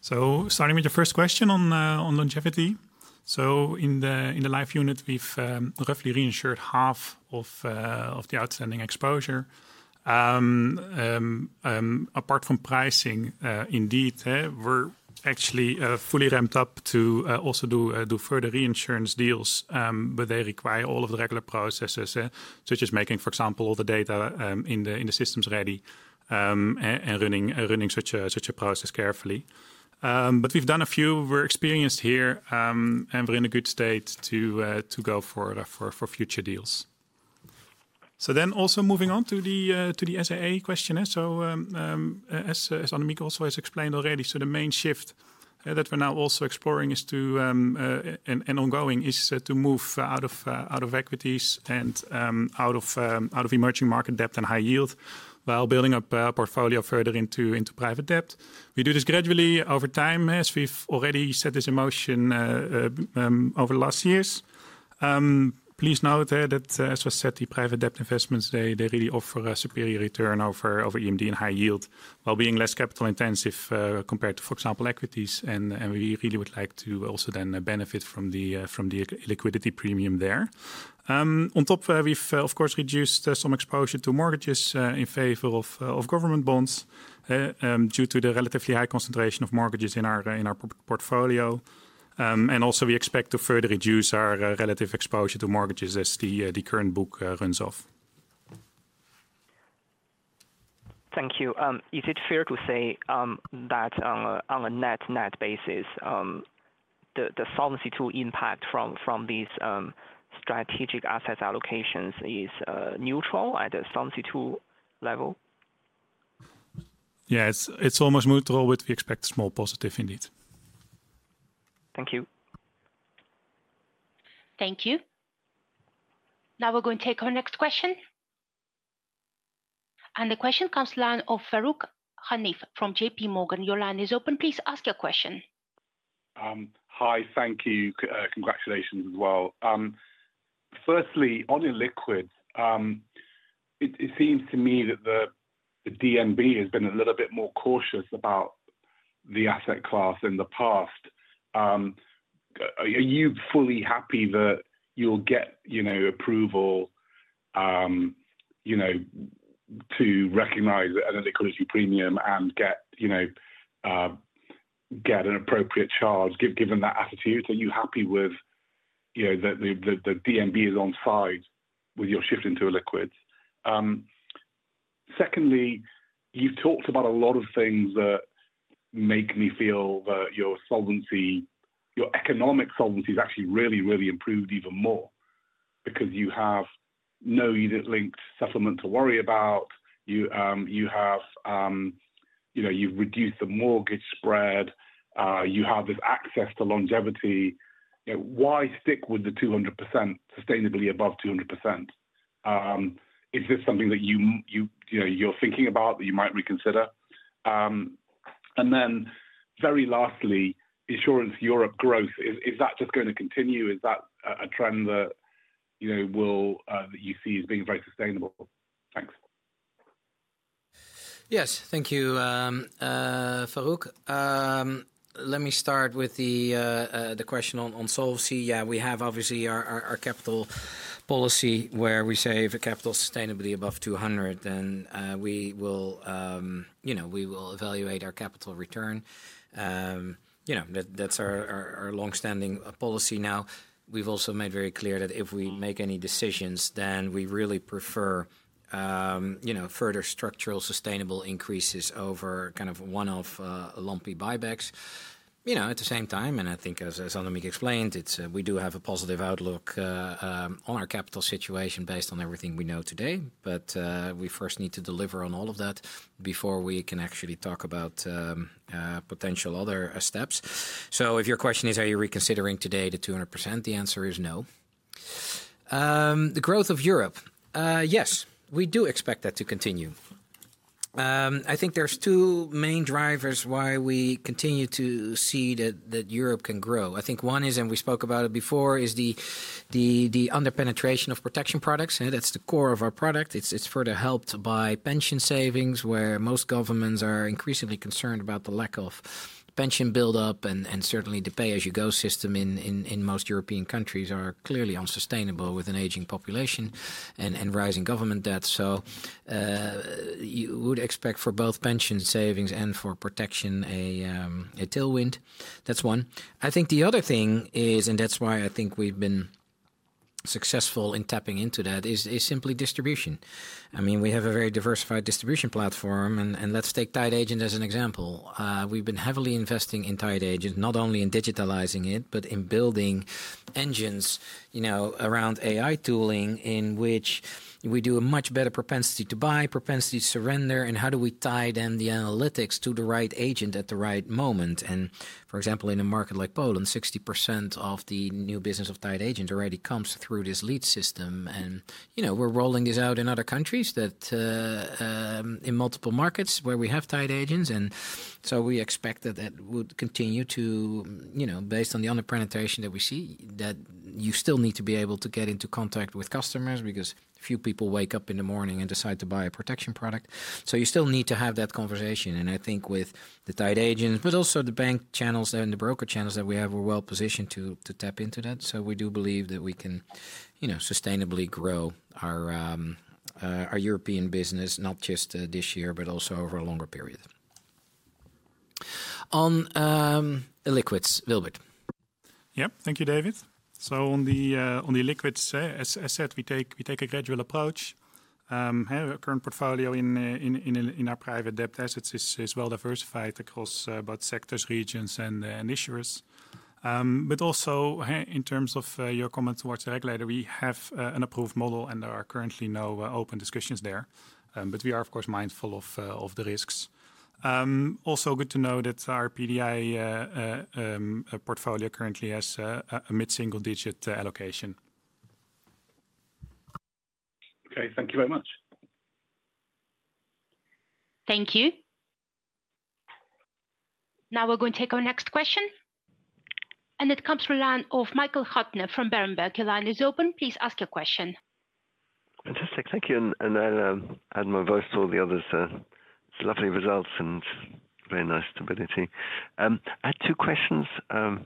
So starting with your first question on longevity. So in the Life unit, we've roughly reinsured half of the outstanding exposure. Apart from pricing, indeed, we're actually fully ramped up to also do further reinsurance deals, but they require all of the regular processes, such as making, for example, all the data in the systems ready and running such a process carefully. But we've done a few. We're experienced here, and we're in a good state to go for future deals. So then also moving on to the SAA question. As Annemiek also has explained already, the main shift that we're now also exploring is to and ongoing is to move out of equities and out of emerging market debt and high yield while building up a portfolio further into private debt. We do this gradually over time, as we've already set this in motion over the last years. Please note that, as I said, the private debt investments, they really offer a superior return over EMD and high yield while being less capital intensive compared to, for example, equities. We really would like to also then benefit from the liquidity premium there. On top, we've, of course, reduced some exposure to mortgages in favor of government bonds due to the relatively high concentration of mortgages in our portfolio. And also, we expect to further reduce our relative exposure to mortgages as the current book runs off. Thank you. Is it fair to say that on a net basis, the Solvency II impact from these strategic asset allocations is neutral at a Solvency II level? Yes, it's almost neutral, but we expect a small positive indeed. Thank you. Thank you. Now we're going to take our next question, and the question comes from the line of Farooq Hanif from J.P. Morgan. Your line is open. Please ask your question. Hi, thank you. Congratulations as well. Firstly, on illiquid, it seems to me that the DNB has been a little bit more cautious about the asset class in the past. Are you fully happy that you'll get approval to recognize an illiquidity premium and get an appropriate charge given that attitude? Are you happy with the DNB is on side with your shift into illiquids? Secondly, you've talked about a lot of things that make me feel that your economic solvency has actually really, really improved even more because you have no unit linked settlement to worry about. You've reduced the mortgage spread. You have this access to longevity. Why stick with the 200% sustainably above 200%? Is this something that you're thinking about that you might reconsider? And then very lastly, Insurance Europe growth, is that just going to continue? Is that a trend that you see as being very sustainable? Thanks. Yes, thank you, Farooq. Let me start with the question on solvency. Yeah, we have obviously our capital policy where we say if a capital is sustainably above 200%, then we will evaluate our capital return. That's our longstanding policy now. We've also made very clear that if we make any decisions, then we really prefer further structural sustainable increases over kind of one-off lumpy buybacks. At the same time, and I think as Annemiek explained, we do have a positive outlook on our capital situation based on everything we know today, but we first need to deliver on all of that before we can actually talk about potential other steps. So if your question is, are you reconsidering today the 200%? The answer is no. The growth of Europe, yes, we do expect that to continue. I think there's two main drivers why we continue to see that Europe can grow. I think one is, and we spoke about it before, is the underpenetration of protection products. That's the core of our product. It's further helped by pension savings where most governments are increasingly concerned about the lack of pension buildup, and certainly the pay-as-you-go system in most European countries are clearly unsustainable with an aging population and rising government debt. So you would expect for both pension savings and for protection a tailwind. That's one. I think the other thing is, and that's why I think we've been successful in tapping into that, is simply distribution. I mean, we have a very diversified distribution platform, and let's take tied agent as an example. We've been heavily investing in tied agent, not only in digitalizing it, but in building engines around AI tooling in which we do a much better propensity to buy, propensity to surrender, and how do we tie then the analytics to the right agent at the right moment? And for example, in a market like Poland, 60% of the new business of tied agent already comes through this lead system. And we're rolling this out in other countries in multiple markets where we have tied agents. And so we expect that that would continue to, based on the underpenetration that we see, that you still need to be able to get into contact with customers because few people wake up in the morning and decide to buy a protection product. So you still need to have that conversation. I think with the tied agent, but also the bank channels and the broker channels that we have are well positioned to tap into that. So we do believe that we can sustainably grow our European business, not just this year, but also over a longer period. On illiquids, Wilbert. Yep, thank you, David. So on the illiquids, as I said, we take a gradual approach. Our current portfolio in our private debt assets is well diversified across both sectors, regions, and issuers. But also in terms of your comment towards the regulator, we have an approved model, and there are currently no open discussions there. But we are, of course, mindful of the risks. Also good to know that our PDI portfolio currently has a mid-single digit allocation. Okay, thank you very much. Thank you. Now we're going to take our next question. And it comes from the line of Michael Huttner from Berenberg. Your line is open. Please ask your question. Fantastic. Thank you. And I'll add my voice to all the others. It's lovely results and very nice stability. I had two questions,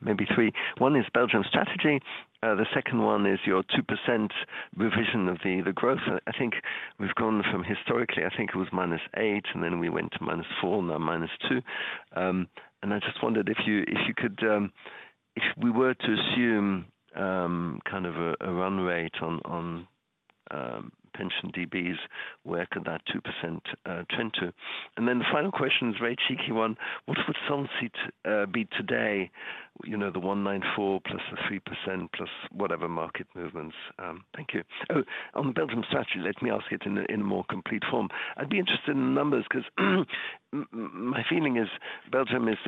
maybe three. One is Belgian strategy. The second one is your 2% revision of the growth. I think we've gone from historically, I think it was -8%, and then we went to -4%, now -2%. And I just wondered if you could, if we were to assume kind of a run rate on pension DBs, where could that 2% trend to? And then the final question is a very cheeky one. What would solvency be today, the 194% plus the 3% plus whatever market movements? Thank you. On the Belgian strategy, let me ask it in a more complete form. I'd be interested in the numbers because my feeling is Belgium is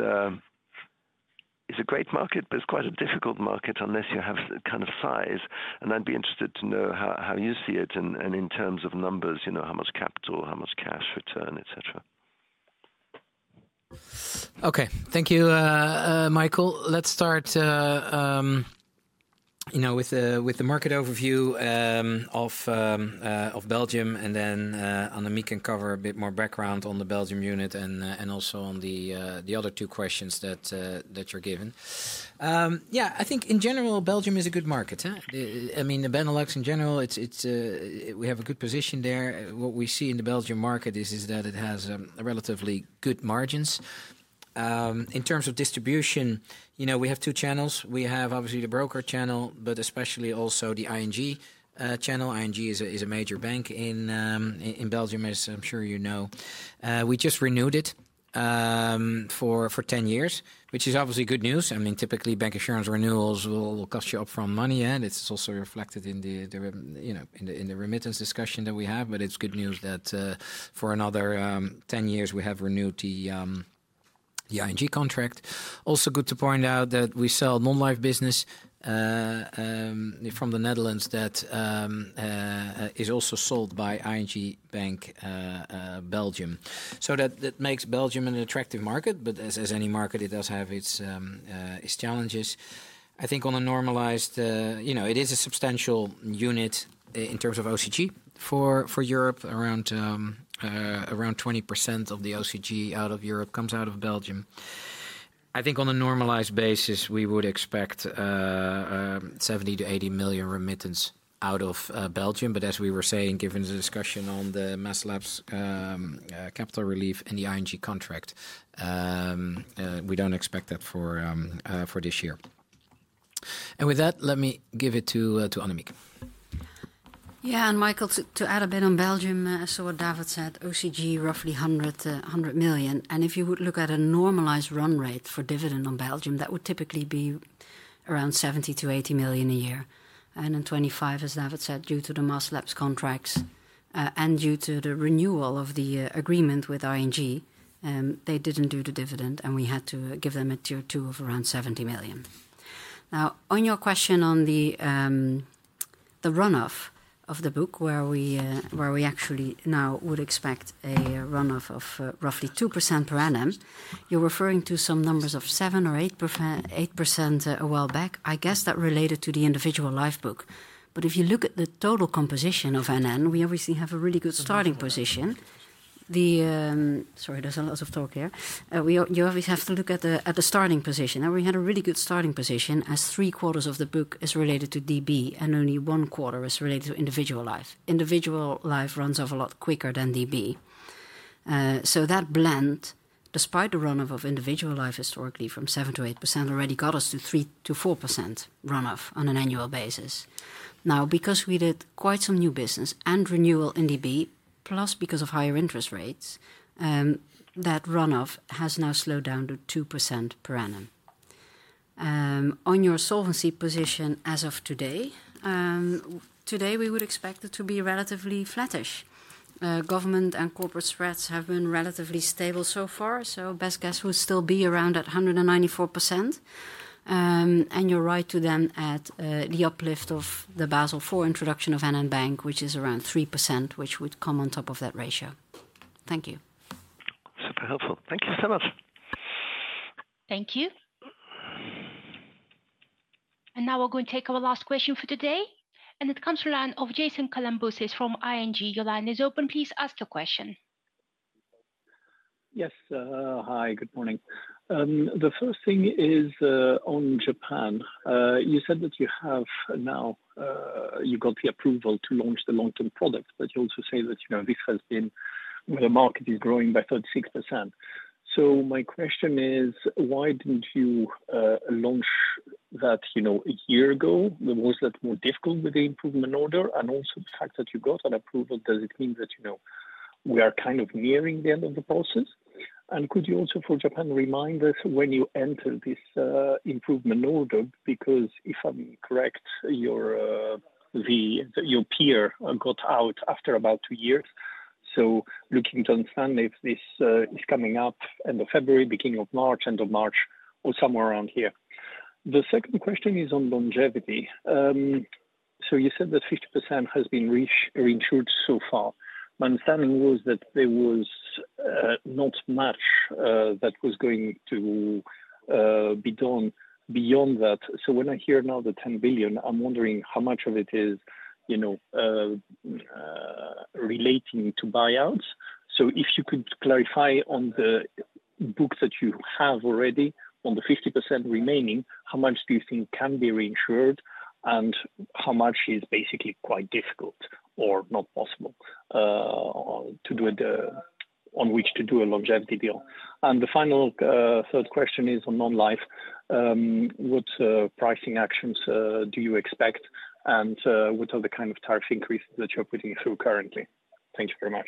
a great market, but it's quite a difficult market unless you have the kind of size, and I'd be interested to know how you see it in terms of numbers, how much capital, how much cash return, etc. Okay, thank you, Michael. Let's start with the market overview of Belgium, and then Annemiek can cover a bit more background on the Belgium unit and also on the other two questions that you're given. Yeah, I think in general, Belgium is a good market. I mean, the Benelux in general, we have a good position there. What we see in the Belgian market is that it has relatively good margins. In terms of distribution, we have two channels. We have obviously the broker channel, but especially also the ING channel. ING is a major bank in Belgium, as I'm sure you know. We just renewed it for 10 years, which is obviously good news. I mean, typically bank insurance renewals will cost you upfront money, and it's also reflected in the remittance discussion that we have. But it's good news that for another 10 years, we have renewed the ING contract. Also good to point out that we sell non-life business from the Netherlands that is also sold by ING Bank Belgium. So that makes Belgium an attractive market, but as any market, it does have its challenges. I think on a normalized, it is a substantial unit in terms of OCG for Europe. Around 20% of the OCG out of Europe comes out of Belgium. I think on a normalized basis, we would expect 70 million-80 million remittance out of Belgium. But as we were saying, given the discussion on the mass lapse capital relief and the ING contract, we don't expect that for this year. And with that, let me give it to Annemiek. Yeah, and Michael, to add a bit on Belgium, so what David said, OCG roughly 100 million. And if you would look at a normalized run rate for dividend on Belgium, that would typically be around 70 million-80 million a year. And in 2025, as David said, due to the mass lapse contracts and due to the renewal of the agreement with ING, they didn't do the dividend, and we had to give them a Tier 2 of around 70 million. Now, on your question on the runoff of the book where we actually now would expect a runoff of roughly 2% per annum, you're referring to some numbers of 7% or 8% a while back. I guess that's related to the individual life book. But if you look at the total composition of NN, we obviously have a really good starting position. Sorry, there's a lot of talk here. You obviously have to look at the starting position, and we had a really good starting position as three quarters of the book is related to DB, and only one quarter is related to individual life. Individual life runs off a lot quicker than DB. So that blend, despite the runoff of individual life historically from 7%-8%, already got us to 3%-4% runoff on an annual basis. Now, because we did quite some new business and renewal in DB, plus because of higher interest rates, that runoff has now slowed down to 2% per annum. On your solvency position as of today, today we would expect it to be relatively flattish. Government and corporate spreads have been relatively stable so far, so best guess would still be around that 194%. And you're right to then add the uplift of the Basel IV introduction of NN Bank, which is around 3%, which would come on top of that ratio. Thank you. Super helpful. Thank you so much. Thank you. And now we're going to take our last question for today. And it comes from the line of Jason Kalamboussis from ING. Your line is open. Please ask your question. Yes. Hi, good morning. The first thing is on Japan. You said that you have now, you got the approval to launch the long-term product, but you also say that this has been, the market is growing by 36%. So my question is, why didn't you launch that a year ago? Was that more difficult with the improvement order? Also the fact that you got an approval, does it mean that we are kind of nearing the end of the process? Could you also for Japan remind us when you entered this improvement order? Because if I'm correct, your peer got out after about two years. So looking to understand if this is coming up end of February, beginning of March, end of March, or somewhere around here. The second question is on longevity. So you said that 50% has been reinsured so far. My understanding was that there was not much that was going to be done beyond that. So when I hear now the 10 billion, I'm wondering how much of it is relating to buyouts. If you could clarify on the book that you have already on the 50% remaining, how much do you think can be reinsured and how much is basically quite difficult or not possible to do it on which to do a longevity deal? The final third question is on non-life. What pricing actions do you expect and what are the kind of tariff increases that you're putting through currently? Thank you very much.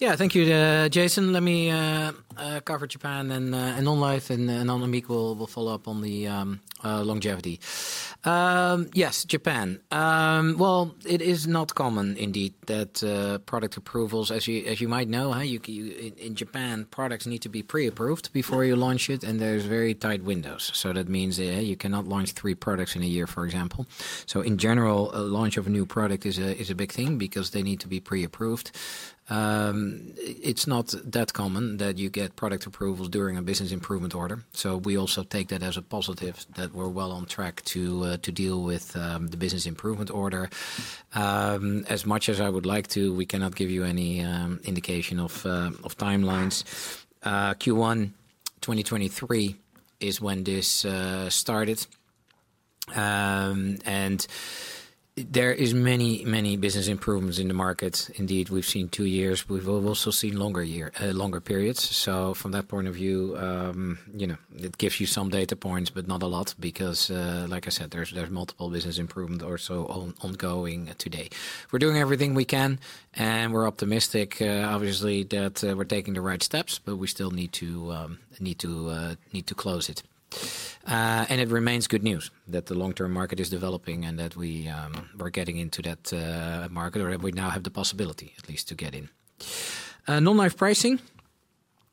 Yeah, thank you, Jason. Let me cover Japan and non-life and Annemiek will follow up on the longevity. Yes, Japan. It is not common indeed that product approvals, as you might know, in Japan, products need to be pre-approved before you launch it, and there's very tight windows. So that means you cannot launch three products in a year, for example. In general, a launch of a new product is a big thing because they need to be pre-approved. It's not that common that you get product approvals during a Business Improvement Order. We also take that as a positive that we're well on track to deal with the Business Improvement Order. As much as I would like to, we cannot give you any indication of timelines. Q1 2023 is when this started. There are many, many business improvements in the market. Indeed, we've seen two years. We've also seen longer periods. From that point of view, it gives you some data points, but not a lot because, like I said, there's multiple business improvements also ongoing today. We're doing everything we can, and we're optimistic, obviously, that we're taking the right steps, but we still need to close it. It remains good news that the long-term market is developing and that we are getting into that market or that we now have the possibility at least to get in. Non-life pricing,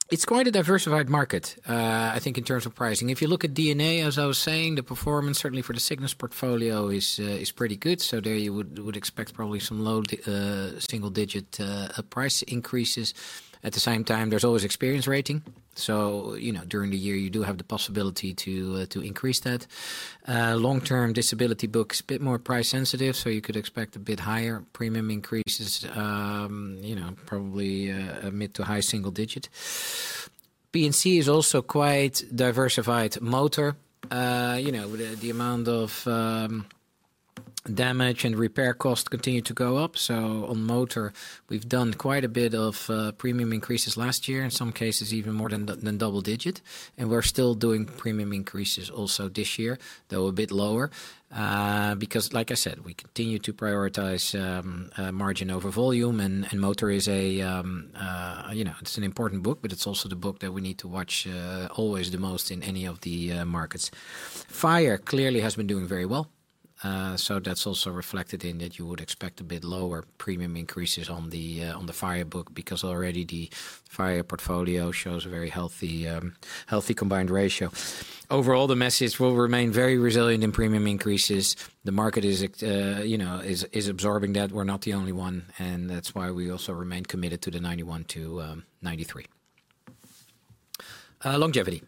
it's quite a diversified market, I think, in terms of pricing. If you look at D&A, as I was saying, the performance certainly for the sickness portfolio is pretty good. So there you would expect probably some low single-digit price increases. At the same time, there's always experience rating. So during the year, you do have the possibility to increase that. Long-term disability book is a bit more price sensitive, so you could expect a bit higher premium increases, probably mid- to high-single-digit. P&C is also quite a diversified market. The amount of damage and repair costs continue to go up. On motor, we've done quite a bit of premium increases last year, in some cases even more than double-digit. And we're still doing premium increases also this year, though a bit lower. Because, like I said, we continue to prioritize margin over volume, and motor is a, it's an important book, but it's also the book that we need to watch always the most in any of the markets. Fire clearly has been doing very well. So that's also reflected in that you would expect a bit lower premium increases on the fire book because already the fire portfolio shows a very healthy combined ratio. Overall, the message will remain very resilient in premium increases. The market is absorbing that. We're not the only one, and that's why we also remain committed to the 91-93. Longevity.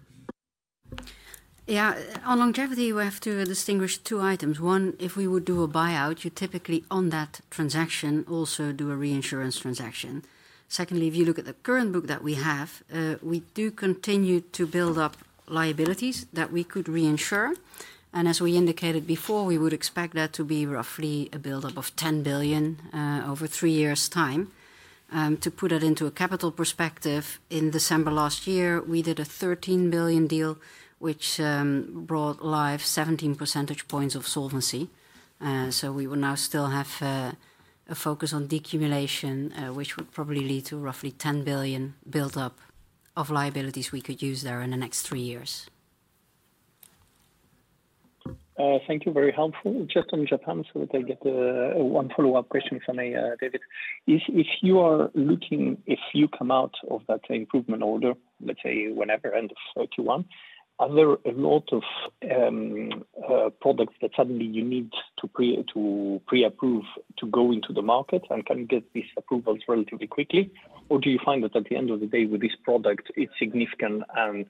Yeah, on longevity, we have to distinguish two items. One, if we would do a buyout, you typically on that transaction also do a reinsurance transaction. Secondly, if you look at the current book that we have, we do continue to build up liabilities that we could reinsure. And as we indicated before, we would expect that to be roughly a build-up of 10 billion over three years' time. To put that into a capital perspective, in December last year, we did a 13 billion deal, which brought us 17 percentage points of solvency. So we will now still have a focus on decumulation, which would probably lead to roughly 10 billion build-up of liabilities we could use there in the next three years. Thank you. Very helpful. Just on Japan, so that I get one follow-up question from David. If you are looking, if you come out of that improvement order, let's say, whenever, end of Q1, are there a lot of products that suddenly you need to pre-approve to go into the market and can get these approvals relatively quickly? Or do you find that at the end of the day with this product, it's significant and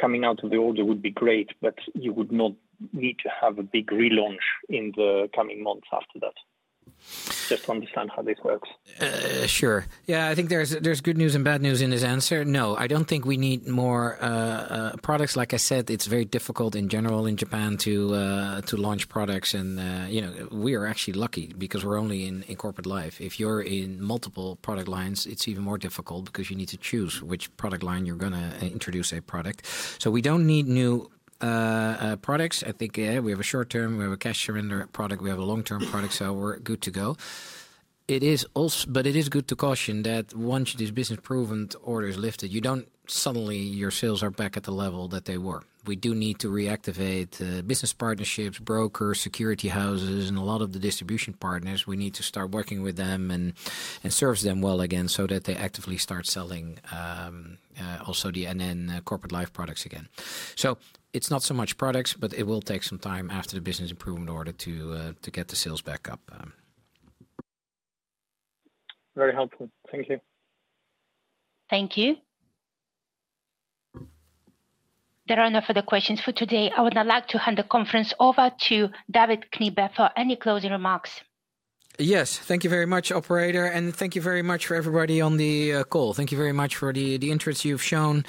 coming out of the order would be great, but you would not need to have a big relaunch in the coming months after that? Just to understand how this works. Sure. Yeah, I think there's good news and bad news in his answer. No, I don't think we need more products. Like I said, it's very difficult in general in Japan to launch products, and we are actually lucky because we're only in corporate life. If you're in multiple product lines, it's even more difficult because you need to choose which product line you're going to introduce a product. So we don't need new products. I think we have a short-term, we have a cash surrender product, we have a long-term product, so we're good to go. But it is good to caution that once this Business Improvement Order is lifted, you don't suddenly your sales are back at the level that they were. We do need to reactivate business partnerships, brokers, securities houses, and a lot of the distribution partners. We need to start working with them and serve them well again so that they actively start selling also the NN corporate life products again. So it's not so much products, but it will take some time after the Business Improvement Order to get the sales back up. Very helpful. Thank you. Thank you. There are no further questions for today. I would now like to hand the conference over to David Knibbe for any closing remarks. Yes, thank you very much, operator, and thank you very much for everybody on the call. Thank you very much for the interest you've shown.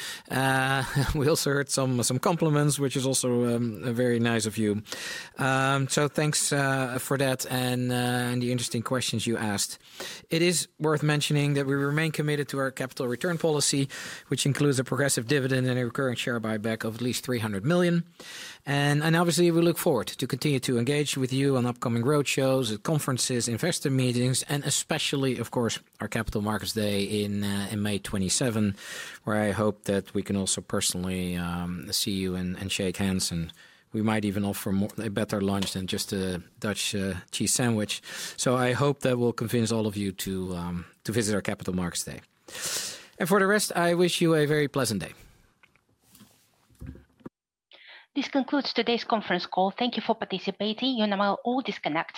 We also heard some compliments, which is also very nice of you. So thanks for that and the interesting questions you asked. It is worth mentioning that we remain committed to our capital return policy, which includes a progressive dividend and a recurring share buyback of at least 300 million. And obviously, we look forward to continue to engage with you on upcoming road shows, at conferences, investor meetings, and especially, of course, our Capital Markets Day in May 27, where I hope that we can also personally see you and shake hands. And we might even offer a better lunch than just a Dutch cheese sandwich. So I hope that will convince all of you to visit our Capital Markets Day. And for the rest, I wish you a very pleasant day. This concludes today's conference call. Thank you for participating. You're now all disconnected.